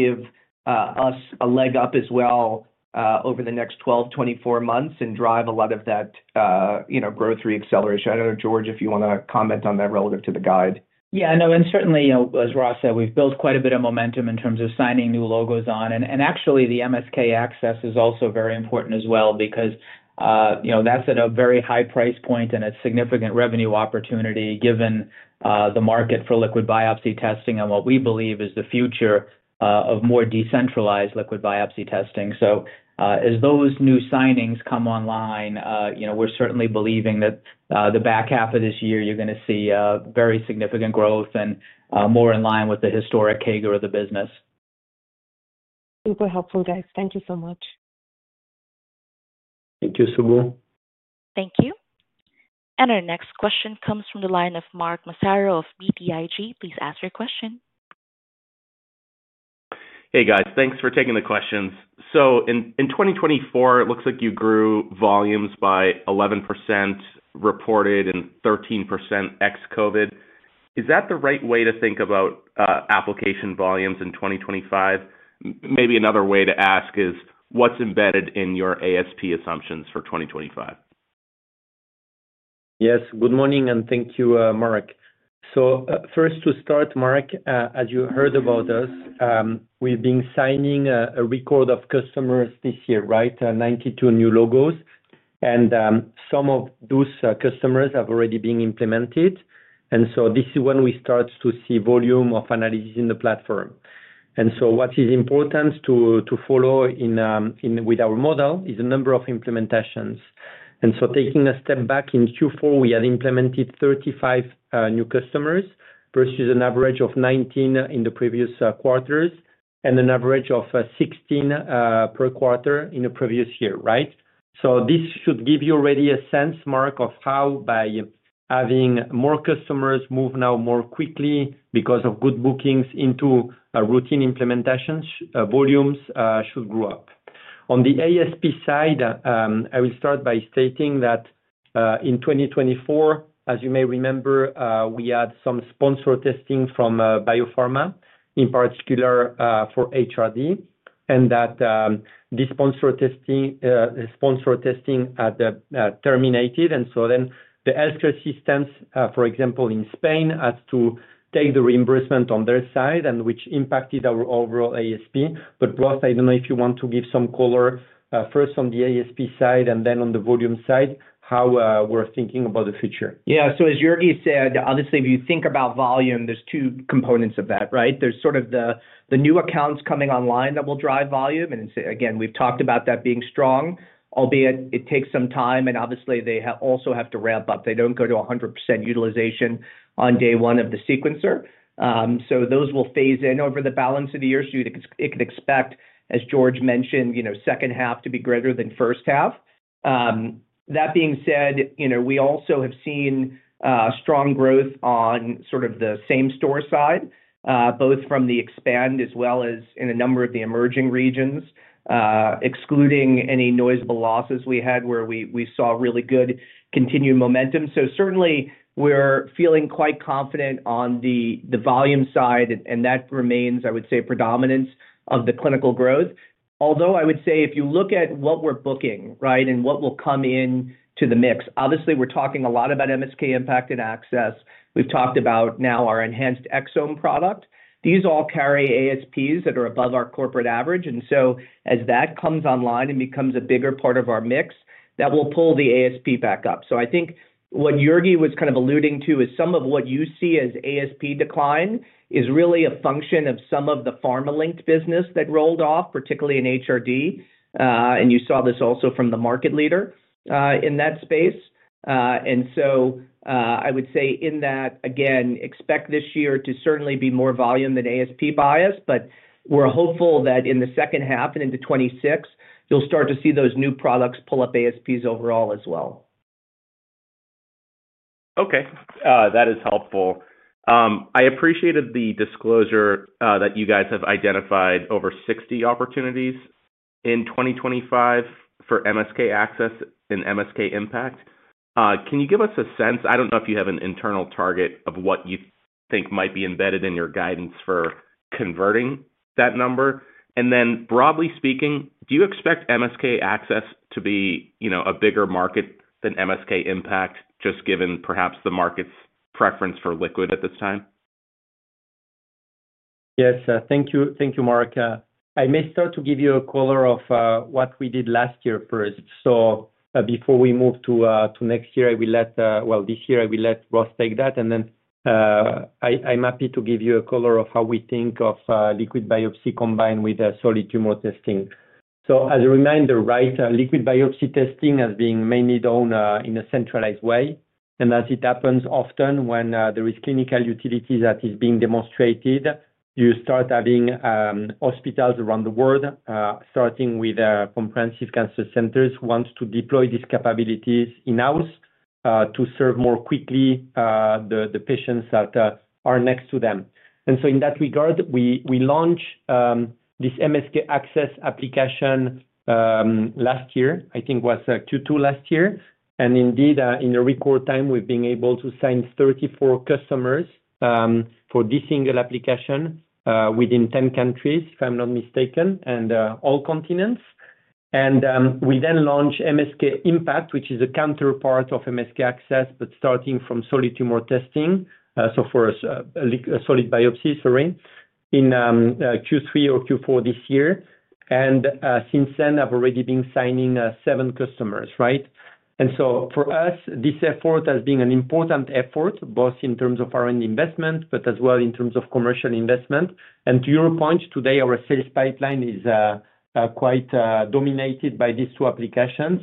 give us a leg up as well over the next 12-24 months and drive a lot of that growth reacceleration. I don't know, George, if you want to comment on that relative to the guide. Yeah, no, and certainly, as Ross said, we've built quite a bit of momentum in terms of signing new logos on. Actually, the MSK-Access is also very important as well because that's at a very high price point and a significant revenue opportunity given the market for liquid biopsy testing and what we believe is the future of more decentralized liquid biopsy testing. As those new signings come online, we're certainly believing that the back half of this year, you're going to see very significant growth and more in line with the historic CAGR of the business. Super helpful, guys. Thank you so much. Thank you, Subu. Thank you. Our next question comes from the line of Mark Massaro of BTIG. Please ask your question. Hey, guys, thanks for taking the questions. In 2024, it looks like you grew volumes by 11% reported and 13% ex-COVID. Is that the right way to think about application volumes in 2025? Maybe another way to ask is, what's embedded in your ASP assumptions for 2025? Yes, good morning, and thank you, Mark. First to start, Mark, as you heard about us, we've been signing a record of customers this year, right? 92 new logos. Some of those customers have already been implemented. This is when we start to see volume of analysis in the platform. What is important to follow with our model is the number of implementations. Taking a step back in Q4, we had implemented 35 new customers versus an average of 19 in the previous quarters and an average of 16 per quarter in the previous year, right? This should give you already a sense, Mark, of how by having more customers move now more quickly because of good bookings into routine implementations, volumes should grow up. On the ASP side, I will start by stating that in 2024, as you may remember, we had some sponsor testing from biopharma, in particular for HRD, and that the sponsor testing had terminated. Then the healthcare systems, for example, in Spain, had to take the reimbursement on their side, which impacted our overall ASP. Ross, I do not know if you want to give some color first on the ASP side and then on the volume side, how we are thinking about the future. Yeah, as Jurgi said, obviously, if you think about volume, there are two components of that, right? There are sort of the new accounts coming online that will drive volume. Again, we have talked about that being strong, albeit it takes some time, and obviously, they also have to ramp up. They do not go to 100% utilization on day one of the sequencer. Those will phase in over the balance of the year. You can expect, as George mentioned, second half to be greater than first half. That being said, we also have seen strong growth on sort of the same store side, both from the expand as well as in a number of the emerging regions, excluding any noticeable losses we had where we saw really good continued momentum. Certainly, we're feeling quite confident on the volume side, and that remains, I would say, predominance of the clinical growth. Although I would say if you look at what we're booking and what will come into the mix, obviously, we're talking a lot about MSK-IMPACT and MSK-ACCESS. We've talked about now our Enhanced Exomes product. These all carry ASPs that are above our corporate average. As that comes online and becomes a bigger part of our mix, that will pull the ASP back up. I think what Jurgi was kind of alluding to is some of what you see as ASP decline is really a function of some of the pharma-linked business that rolled off, particularly in HRD. You saw this also from the market leader in that space. I would say in that, again, expect this year to certainly be more volume than ASP bias, but we're hopeful that in the second half and into 2026, you'll start to see those new products pull up ASPs overall as well. Okay, that is helpful. I appreciated the disclosure that you guys have identified over 60 opportunities in 2025 for MSK-Access and MSK-Impact. Can you give us a sense? I don't know if you have an internal target of what you think might be embedded in your guidance for converting that number. Then broadly speaking, do you expect MSK-Access to be a bigger market than MSK-Impact, just given perhaps the market's preference for liquid at this time? Yes, thank you, Mark. I may start to give you a color of what we did last year first. Before we move to next year, I will let—well, this year, I will let Ross take that. I'm happy to give you a color of how we think of liquid biopsy combined with solid tumor testing. As a reminder, right, liquid biopsy testing has been mainly done in a centralized way. As it happens often when there is clinical utility that is being demonstrated, you start having hospitals around the world, starting with comprehensive cancer centers, want to deploy these capabilities in-house to serve more quickly the patients that are next to them. In that regard, we launched this MSK-Access application last year, I think it was Q2 last year. Indeed, in a record time, we've been able to sign 34 customers for this single application within 10 countries, if I'm not mistaken, and all continents. We then launched MSK-Impact, which is a counterpart of MSK-Access, but starting from solid tumor testing, so for solid biopsies, sorry, in Q3 or Q4 this year. Since then, I've already been signing seven customers, right? For us, this effort has been an important effort, both in terms of R&D investment, but as well in terms of commercial investment. To your point, today, our sales pipeline is quite dominated by these two applications.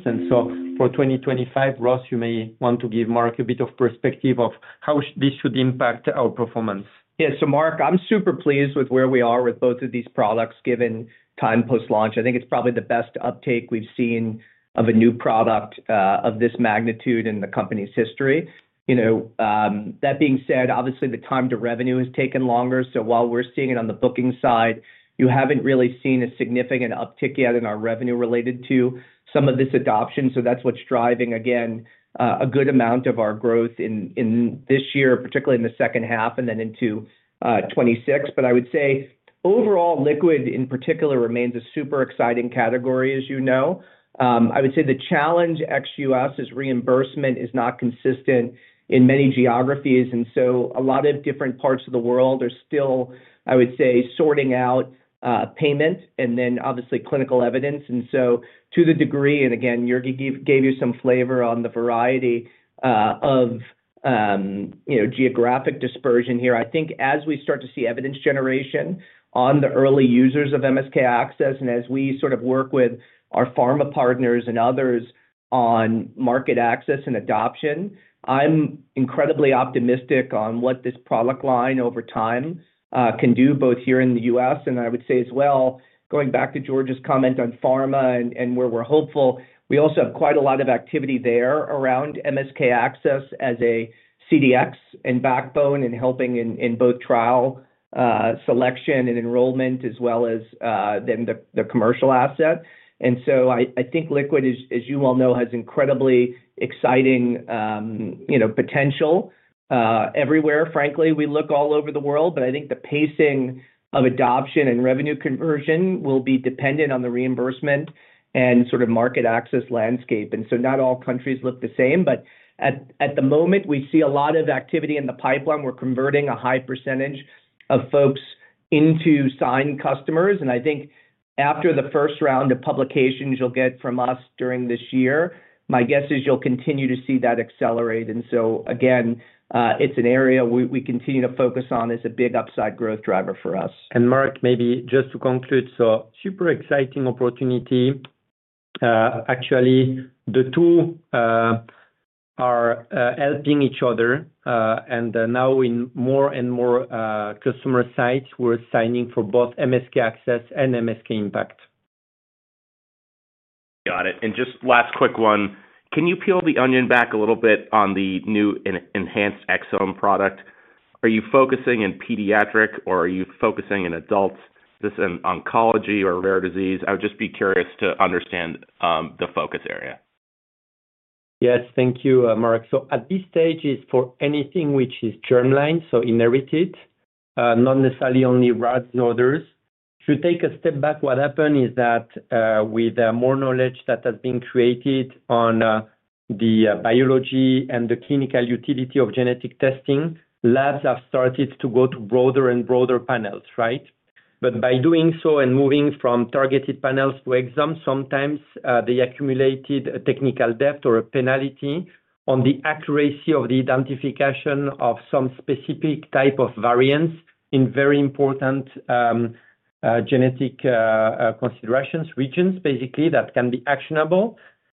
For 2025, Ross, you may want to give Mark a bit of perspective of how this should impact our performance. Yeah, so Mark, I'm super pleased with where we are with both of these products given time post-launch. I think it's probably the best uptake we've seen of a new product of this magnitude in the company's history. That being said, obviously, the time to revenue has taken longer. While we're seeing it on the booking side, you haven't really seen a significant uptick yet in our revenue related to some of this adoption. That's what's driving, again, a good amount of our growth in this year, particularly in the second half and then into 2026. I would say overall, liquid in particular remains a super exciting category, as you know. I would say the challenge ex-U.S. is reimbursement is not consistent in many geographies. A lot of different parts of the world are still, I would say, sorting out payment and then obviously clinical evidence. To the degree, and again, Jurgi gave you some flavor on the variety of geographic dispersion here, I think as we start to see evidence generation on the early users of MSK-Access and as we sort of work with our pharma partners and others on market access and adoption, I'm incredibly optimistic on what this product line over time can do both here in the U.S. I would say as well, going back to George's comment on pharma and where we're hopeful, we also have quite a lot of activity there around MSK-Access as a CDX and backbone and helping in both trial selection and enrollment as well as then the commercial asset. I think liquid, as you all know, has incredibly exciting potential everywhere, frankly. We look all over the world, but I think the pacing of adoption and revenue conversion will be dependent on the reimbursement and sort of market access landscape. Not all countries look the same, but at the moment, we see a lot of activity in the pipeline. We're converting a high percentage of folks into signed customers. I think after the first round of publications you'll get from us during this year, my guess is you'll continue to see that accelerate. It is an area we continue to focus on as a big upside growth driver for us. Mark, maybe just to conclude, super exciting opportunity. Actually, the two are helping each other. Now in more and more customer sites, we're signing for both MSK-Access and MSK-Impact. Got it. Just last quick one. Can you peel the onion back a little bit on the new enhanced exome product? Are you focusing in pediatric, or are you focusing in adults, this in oncology or rare disease? I would just be curious to understand the focus area. Yes, thank you, Mark. At this stage, it's for anything which is germlined, so inherited, not necessarily only rats and others. To take a step back, what happened is that with more knowledge that has been created on the biology and the clinical utility of genetic testing, labs have started to go to broader and broader panels, right? By doing so and moving from targeted panels to exome, sometimes they accumulated a technical depth or a penalty on the accuracy of the identification of some specific type of variants in very important genetic considerations, regions, basically, that can be actionable.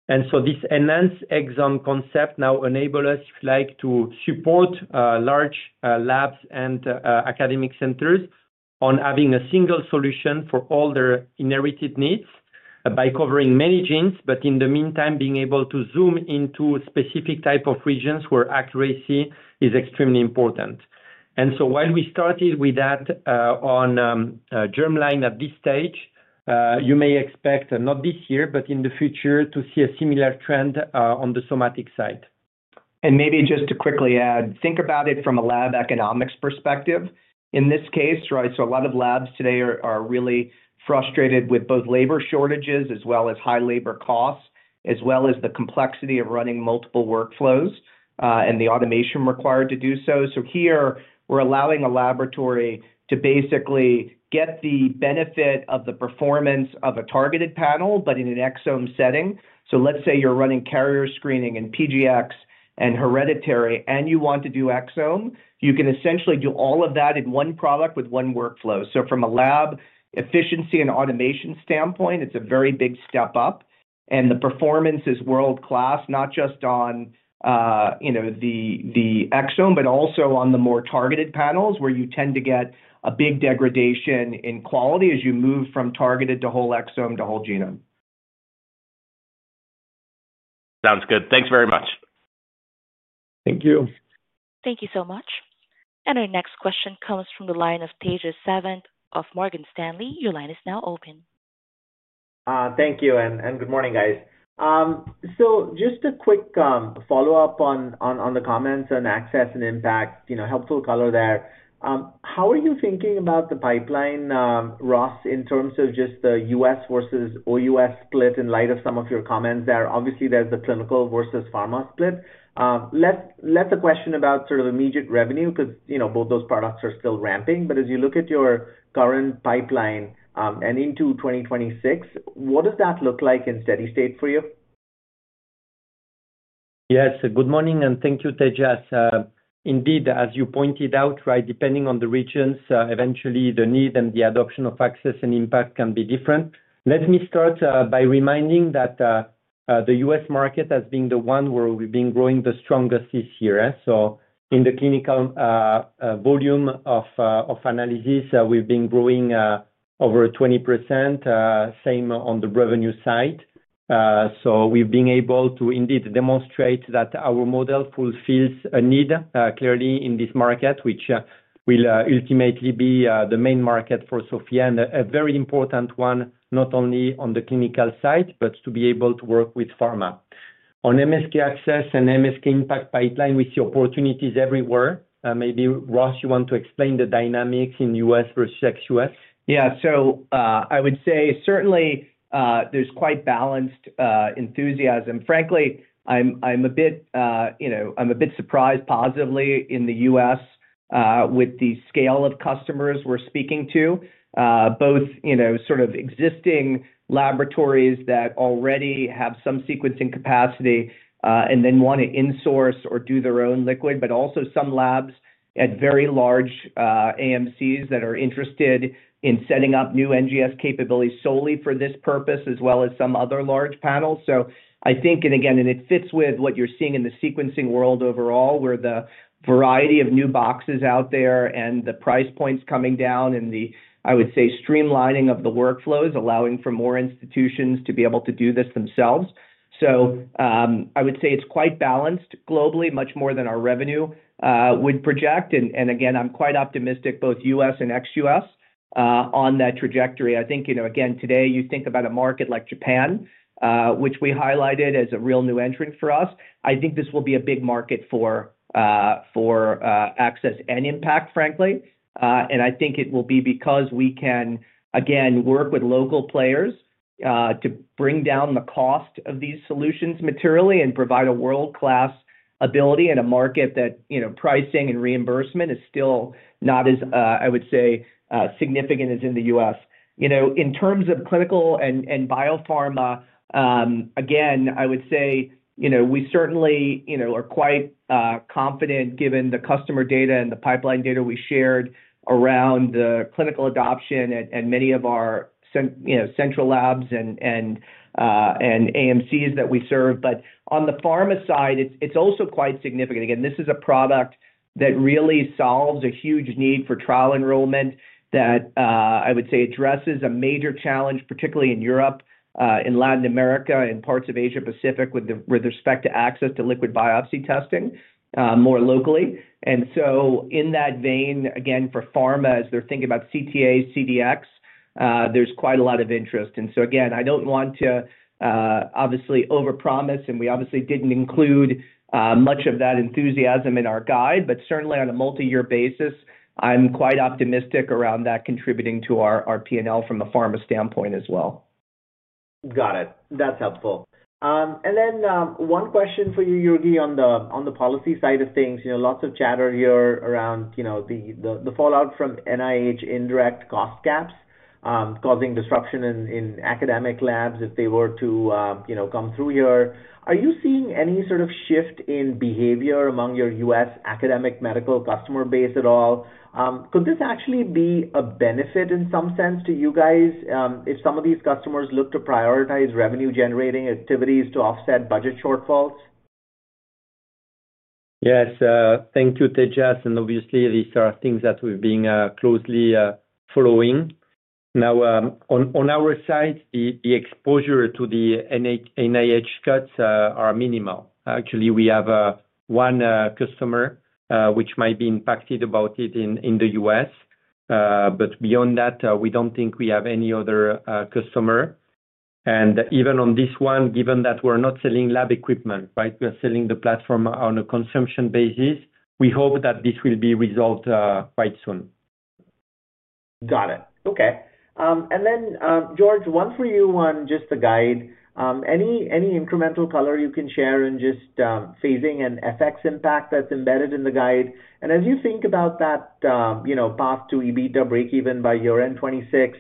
This enhanced exome concept now enables us, if you like, to support large labs and academic centers on having a single solution for all their inherited needs by covering many genes, but in the meantime, being able to zoom into specific type of regions where accuracy is extremely important. While we started with that on germline at this stage, you may expect, not this year, but in the future, to see a similar trend on the somatic side. Maybe just to quickly add, think about it from a lab economics perspective. In this case, right, a lot of labs today are really frustrated with both labor shortages as well as high labor costs, as well as the complexity of running multiple workflows and the automation required to do so. Here, we're allowing a laboratory to basically get the benefit of the performance of a targeted panel, but in an exome setting. Let's say you're running carrier screening and PGX and hereditary, and you want to do exome, you can essentially do all of that in one product with one workflow. From a lab efficiency and automation standpoint, it's a very big step up. The performance is world-class, not just on the exome, but also on the more targeted panels where you tend to get a big degradation in quality as you move from targeted to whole exome to whole genome. Sounds good. Thanks very much. Thank you. Thank you so much. Our next question comes from the line of Tejas Savant of Morgan Stanley. Your line is now open. Thank you. Good morning, guys. Just a quick follow-up on the comments on Access and Impact, helpful color there. How are you thinking about the pipeline, Ross, in terms of just the U.S. versus OUS split in light of some of your comments there? Obviously, there is the clinical versus pharma split. Less a question about sort of immediate revenue because both those products are still ramping. As you look at your current pipeline and into 2026, what does that look like in steady state for you? Yes, good morning, and thank you, Tejas. Indeed, as you pointed out, right, depending on the regions, eventually the need and the adoption of Access and Impact can be different. Let me start by reminding that the U.S. market has been the one where we've been growing the strongest this year. In the clinical volume of analysis, we've been growing over 20%, same on the revenue side. We've been able to indeed demonstrate that our model fulfills a need clearly in this market, which will ultimately be the main market for SOPHiA and a very important one, not only on the clinical side, but to be able to work with pharma. On MSK-Access and MSK-Impact pipeline, we see opportunities everywhere. Maybe Ross, you want to explain the dynamics in US versus XUS? Yeah, I would say certainly there's quite balanced enthusiasm. Frankly, I'm a bit surprised positively in the U.S. with the scale of customers we're speaking to, both sort of existing laboratories that already have some sequencing capacity and then want to insource or do their own liquid, but also some labs at very large AMCs that are interested in setting up new NGS capabilities solely for this purpose, as well as some other large panels. I think, and again, it fits with what you're seeing in the sequencing world overall, where the variety of new boxes out there and the price points coming down and the, I would say, streamlining of the workflows, allowing for more institutions to be able to do this themselves. I would say it's quite balanced globally, much more than our revenue would project. Again, I'm quite optimistic, both U.S. and ex-U.S., on that trajectory. I think, again, today, you think about a market like Japan, which we highlighted as a real new entrant for us. I think this will be a big market for Access and Impact, frankly. I think it will be because we can, again, work with local players to bring down the cost of these solutions materially and provide a world-class ability in a market that pricing and reimbursement is still not as, I would say, significant as in the U.S. In terms of clinical and biopharma, again, I would say we certainly are quite confident given the customer data and the pipeline data we shared around the clinical adoption and many of our central labs and AMCs that we serve. On the pharma side, it is also quite significant. Again, this is a product that really solves a huge need for trial enrollment that I would say addresses a major challenge, particularly in Europe, in Latin America, in parts of Asia-Pacific with respect to access to liquid biopsy testing more locally. In that vein, again, for pharma, as they're thinking about CTA, CDX, there's quite a lot of interest. I don't want to obviously overpromise, and we obviously didn't include much of that enthusiasm in our guide, but certainly on a multi-year basis, I'm quite optimistic around that contributing to our P&L from a pharma standpoint as well. Got it. That's helpful. One question for you, Jurgi, on the policy side of things. Lots of chatter here around the fallout from NIH indirect cost caps causing disruption in academic labs if they were to come through here. Are you seeing any sort of shift in behavior among your US academic medical customer base at all? Could this actually be a benefit in some sense to you guys if some of these customers look to prioritize revenue-generating activities to offset budget shortfalls? Yes, thank you, Tejas. Obviously, these are things that we've been closely following. Now, on our side, the exposure to the NIH cuts are minimal. Actually, we have one customer which might be impacted about it in the U.S. Beyond that, we don't think we have any other customer. Even on this one, given that we're not selling lab equipment, right, we're selling the platform on a consumption basis, we hope that this will be resolved quite soon. Got it. Okay. And then, George, one for you on just the guide. Any incremental color you can share in just phasing and FX impact that's embedded in the guide? As you think about that path to EBITDA breakeven by year-end 2026,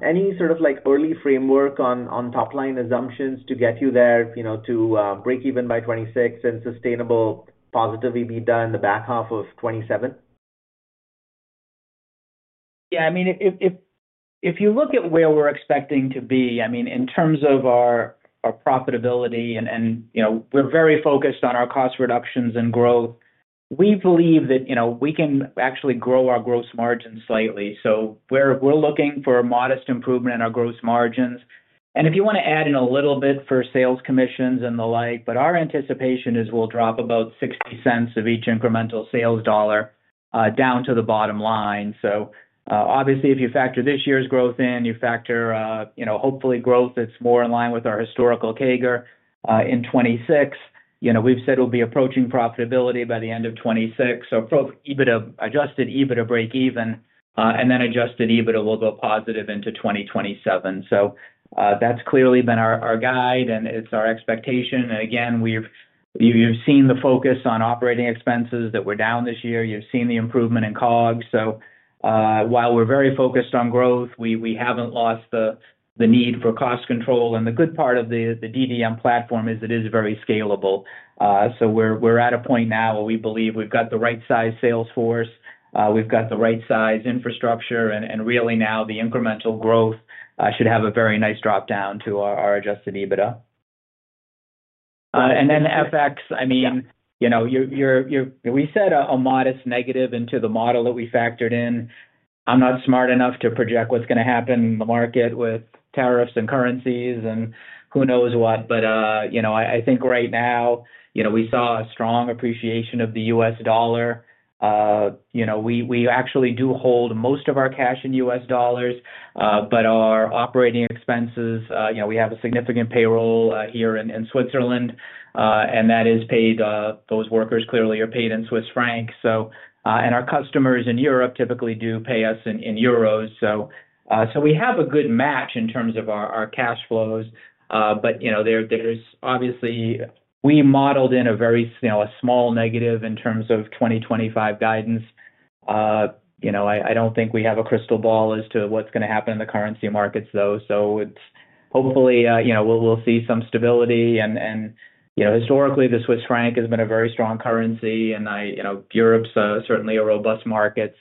any sort of early framework on top-line assumptions to get you there to breakeven by 2026 and sustainable positive EBITDA in the back half of 2027? Yeah, I mean, if you look at where we're expecting to be, I mean, in terms of our profitability, and we're very focused on our cost reductions and growth, we believe that we can actually grow our gross margins slightly. We are looking for a modest improvement in our gross margins. If you want to add in a little bit for sales commissions and the like, our anticipation is we'll drop about $0.60 of each incremental sales dollar down to the bottom line. If you factor this year's growth in, you factor hopefully growth that's more in line with our historical CAGR in 2026, we've said we'll be approaching profitability by the end of 2026. Adjusted EBITDA breakeven and then adjusted EBITDA will go positive into 2027. That's clearly been our guide, and it's our expectation. Again, you've seen the focus on operating expenses that we're down this year. You've seen the improvement in COG. While we're very focused on growth, we haven't lost the need for cost control. The good part of the DDM platform is it is very scalable. We're at a point now where we believe we've got the right-sized sales force. We've got the right-sized infrastructure. Really now, the incremental growth should have a very nice drop down to our adjusted EBITDA. I mean, we set a modest negative into the model that we factored in. I'm not smart enough to project what's going to happen in the market with tariffs and currencies and who knows what. I think right now, we saw a strong appreciation of the U.S. dollar. We actually do hold most of our cash in U.S. dollars, but our operating expenses, we have a significant payroll here in Switzerland, and that is paid, those workers clearly are paid in Swiss francs. Our customers in Europe typically do pay us in euros. We have a good match in terms of our cash flows. There's obviously, we modeled in a very small negative in terms of 2025 guidance. I don't think we have a crystal ball as to what's going to happen in the currency markets, though. Hopefully, we'll see some stability. Historically, the Swiss franc has been a very strong currency, and Europe is certainly a robust market.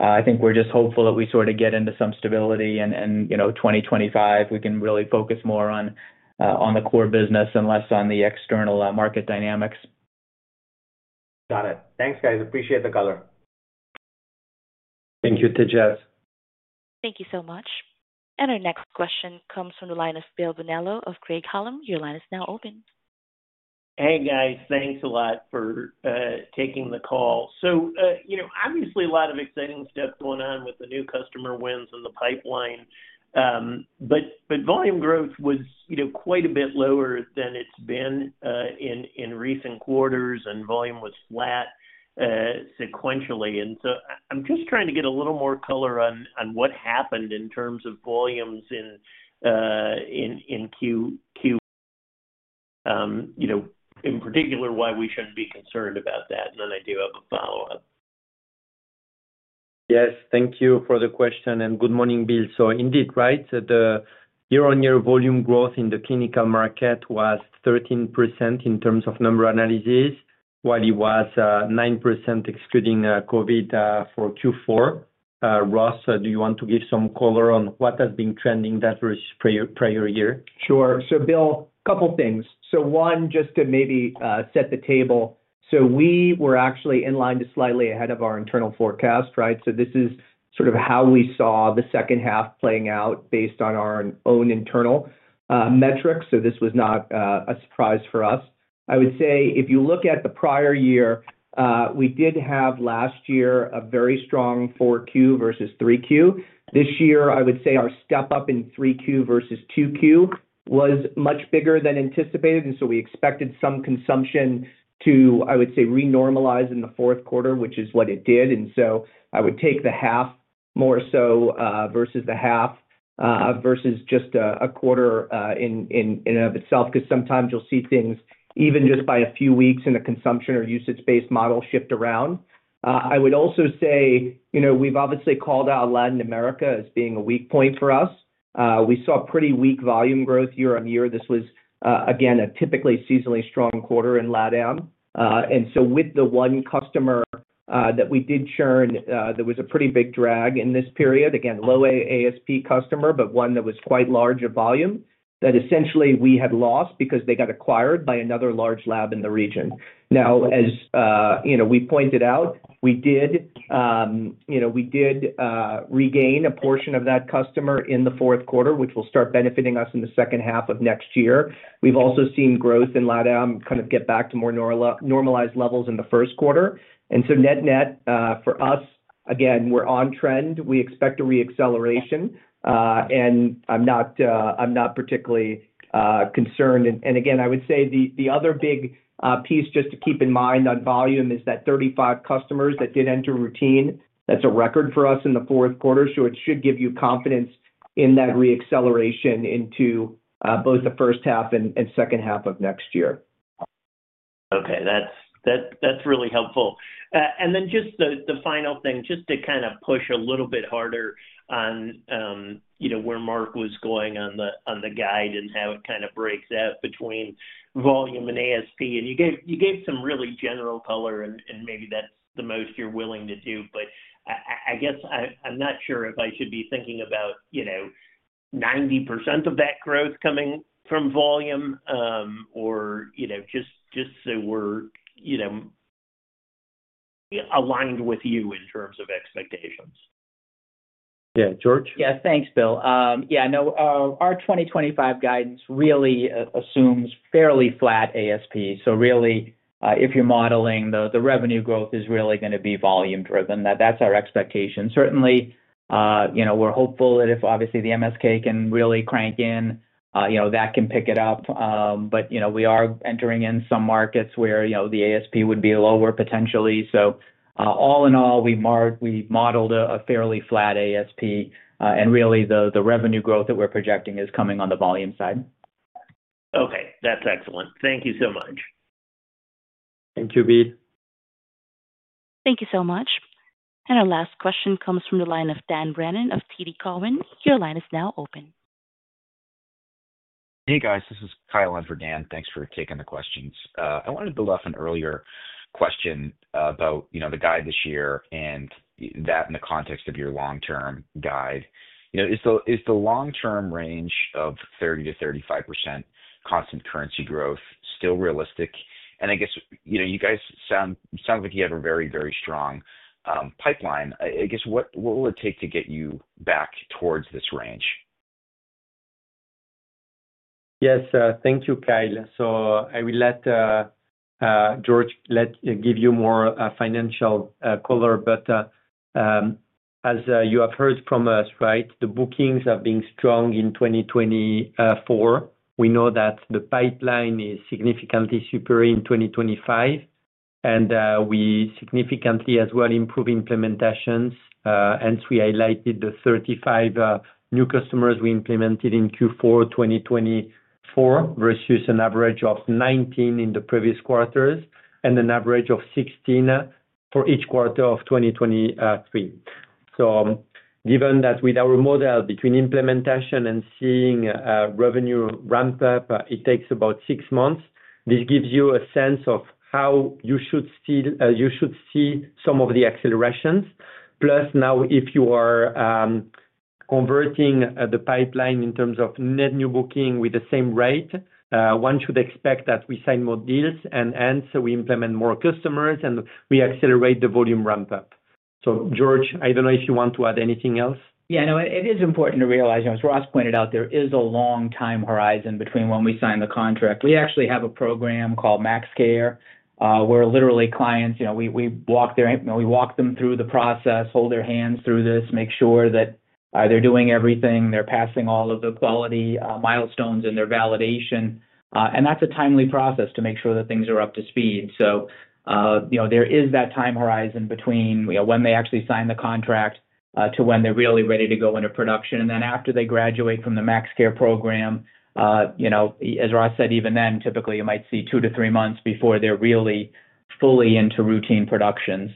I think we are just hopeful that we sort of get into some stability in 2025. We can really focus more on the core business and less on the external market dynamics. Got it. Thanks, guys. Appreciate the color. Thank you, Tejas. Thank you so much. Our next question comes from the line of Bill Bonello of Craig-Hallum. Your line is now open. Hey, guys. Thanks a lot for taking the call. Obviously, a lot of exciting stuff going on with the new customer wins in the pipeline. Volume growth was quite a bit lower than it has been in recent quarters, and volume was flat sequentially. I'm just trying to get a little more color on what happened in terms of volumes in Q, in particular, why we shouldn't be concerned about that. I do have a follow-up. Yes, thank you for the question. Good morning, Bill. Indeed, the year-on-year volume growth in the clinical market was 13% in terms of number analysis, while it was 9% excluding COVID for Q4. Ross, do you want to give some color on what has been trending that prior year? Sure. Bill, a couple of things. One, just to maybe set the table. We were actually in line to slightly ahead of our internal forecast, right? This is sort of how we saw the second half playing out based on our own internal metrics. This was not a surprise for us. I would say if you look at the prior year, we did have last year a very strong 4Q versus 3Q. This year, I would say our step up in 3Q versus 2Q was much bigger than anticipated. We expected some consumption to, I would say, renormalize in the fourth quarter, which is what it did. I would take the half more so versus the half versus just a quarter in and of itself because sometimes you'll see things even just by a few weeks in a consumption or usage-based model shift around. I would also say we've obviously called out Latin America as being a weak point for us. We saw pretty weak volume growth year-on-year. This was, again, a typically seasonally strong quarter in Latin America. With the one customer that we did churn, there was a pretty big drag in this period. Again, low ASP customer, but one that was quite large of volume that essentially we had lost because they got acquired by another large lab in the region. As we pointed out, we did regain a portion of that customer in the fourth quarter, which will start benefiting us in the second half of next year. We have also seen growth in Latin America kind of get back to more normalized levels in the first quarter. Net-net for us, again, we are on trend. We expect a reacceleration. I am not particularly concerned. I would say the other big piece just to keep in mind on volume is that 35 customers that did enter routine, that is a record for us in the fourth quarter. It should give you confidence in that reacceleration into both the first half and second half of next year. Okay. That's really helpful. Just the final thing, just to kind of push a little bit harder on where Mark was going on the guide and how it kind of breaks out between volume and ASP. You gave some really general color, and maybe that's the most you're willing to do. I guess I'm not sure if I should be thinking about 90% of that growth coming from volume or just so we're aligned with you in terms of expectations. Yeah, George? Yeah, thanks, Bill. No, our 2025 guidance really assumes fairly flat ASP. If you're modeling, the revenue growth is really going to be volume-driven. That's our expectation. Certainly, we're hopeful that if obviously the MSK can really crank in, that can pick it up. We are entering in some markets where the ASP would be lower potentially. All in all, we modeled a fairly flat ASP. Really, the revenue growth that we're projecting is coming on the volume side. Okay. That's excellent. Thank you so much. Thank you, Bill. Thank you so much. Our last question comes from the line of Dan Brennan of TD Cowen. Your line is now open. Hey, guys. This is Kyle on for Dan. Thanks for taking the questions. I wanted to left an earlier question about the guide this year and that in the context of your long-term guide. Is the long-term range of 30%-35% constant currency growth still realistic? I guess you guys sound like you have a very, very strong pipeline. I guess what will it take to get you back towards this range? Yes, thank you, Kyle. I will let George give you more financial color. As you have heard from us, the bookings have been strong in 2024. We know that the pipeline is significantly superior in 2025. We significantly as well improve implementations. Hence, we highlighted the 35 new customers we implemented in Q4 2024 versus an average of 19 in the previous quarters and an average of 16 for each quarter of 2023. Given that with our model between implementation and seeing revenue ramp up, it takes about six months, this gives you a sense of how you should see some of the accelerations. Plus, now if you are converting the pipeline in terms of net new booking with the same rate, one should expect that we sign more deals and hence we implement more customers and we accelerate the volume ramp up. George, I do not know if you want to add anything else. Yeah, no, it is important to realize as Ross pointed out, there is a long time horizon between when we sign the contract. We actually have a program called MaxCare. We are literally clients. We walk them through the process, hold their hands through this, make sure that they are doing everything, they are passing all of the quality milestones and their validation. That is a timely process to make sure that things are up to speed. There is that time horizon between when they actually sign the contract to when they are really ready to go into production. After they graduate from the MaxCare program, as Ross said, even then, typically you might see two to three months before they're really fully into routine production.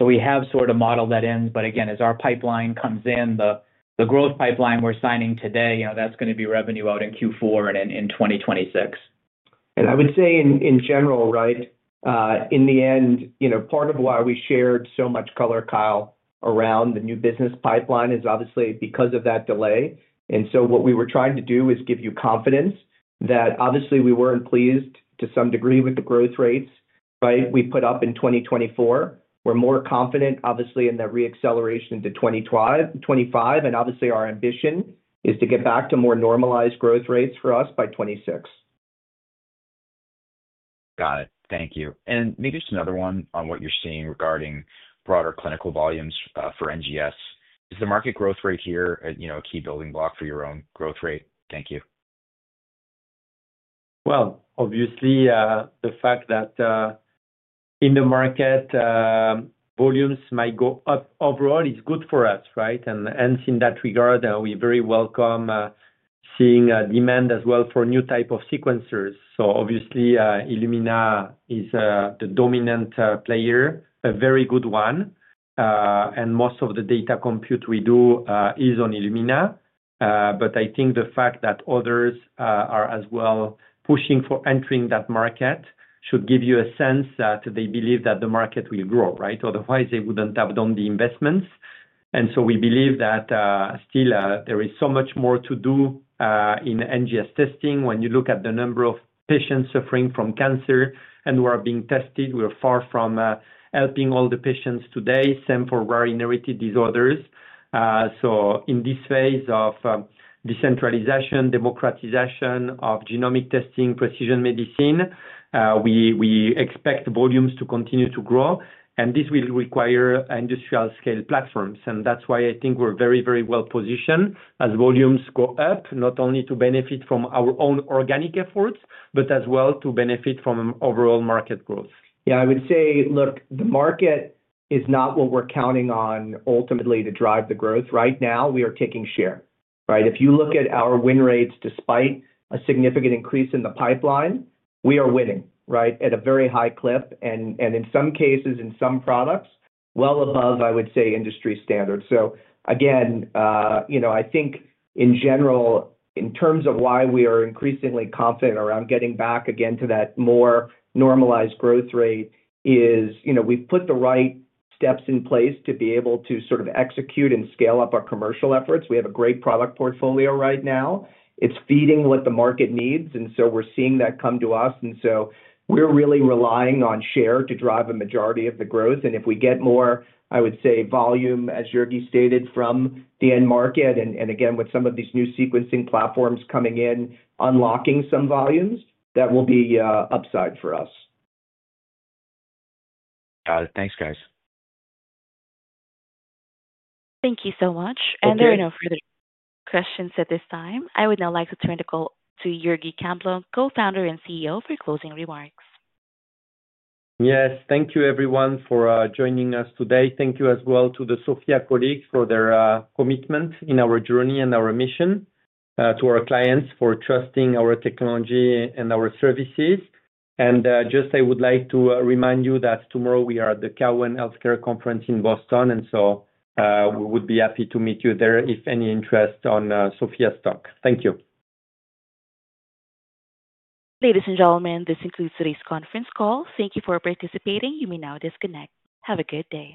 We have sort of modeled that in. Again, as our pipeline comes in, the growth pipeline we're signing today, that's going to be revenue out in Q4 and in 2026. I would say in general, right, in the end, part of why we shared so much color, Kyle, around the new business pipeline is obviously because of that delay. What we were trying to do is give you confidence that obviously we weren't pleased to some degree with the growth rates, right? We put up in 2024. We're more confident, obviously, in that reacceleration to 2025. Obviously, our ambition is to get back to more normalized growth rates for us by 2026. Got it. Thank you. Maybe just another one on what you're seeing regarding broader clinical volumes for NGS. Is the market growth rate here a key building block for your own growth rate? Thank you. Obviously, the fact that in the market, volumes might go up overall is good for us, right? In that regard, we very welcome seeing demand as well for new type of sequencers. Obviously, Illumina is the dominant player, a very good one. Most of the data compute we do is on Illumina. I think the fact that others are as well pushing for entering that market should give you a sense that they believe that the market will grow, right? Otherwise, they wouldn't have done the investments. We believe that still there is so much more to do in NGS testing when you look at the number of patients suffering from cancer and who are being tested. We're far from helping all the patients today, same for rare inherited disorders. In this phase of decentralization, democratization of genomic testing, precision medicine, we expect volumes to continue to grow. This will require industrial-scale platforms. That's why I think we're very, very well positioned as volumes go up, not only to benefit from our own organic efforts, but as well to benefit from overall market growth. Yeah, I would say, look, the market is not what we're counting on ultimately to drive the growth. Right now, we are taking share, right? If you look at our win rates despite a significant increase in the pipeline, we are winning, right, at a very high clip. In some cases, in some products, well above, I would say, industry standards. I think in general, in terms of why we are increasingly confident around getting back again to that more normalized growth rate is we have put the right steps in place to be able to sort of execute and scale up our commercial efforts. We have a great product portfolio right now. It is feeding what the market needs. We are seeing that come to us. We are really relying on share to drive a majority of the growth. If we get more, I would say, volume, as Jurgi stated, from the end market, and with some of these new sequencing platforms coming in, unlocking some volumes, that will be upside for us. Got it. Thanks, guys. Thank you so much. There are no further questions at this time. I would now like to turn the call to Jurgi Camblong, Co-Founder and CEO, for closing remarks. Yes, thank you, everyone, for joining us today. Thank you as well to the SOPHiA colleagues for their commitment in our journey and our mission, to our clients for trusting our technology and our services. I would like to remind you that tomorrow we are at the Cowen Healthcare Conference in Boston. We would be happy to meet you there if any interest on SOPHiA's talk. Thank you. Ladies and gentlemen, this concludes today's conference call. Thank you for participating. You may now disconnect. Have a good day.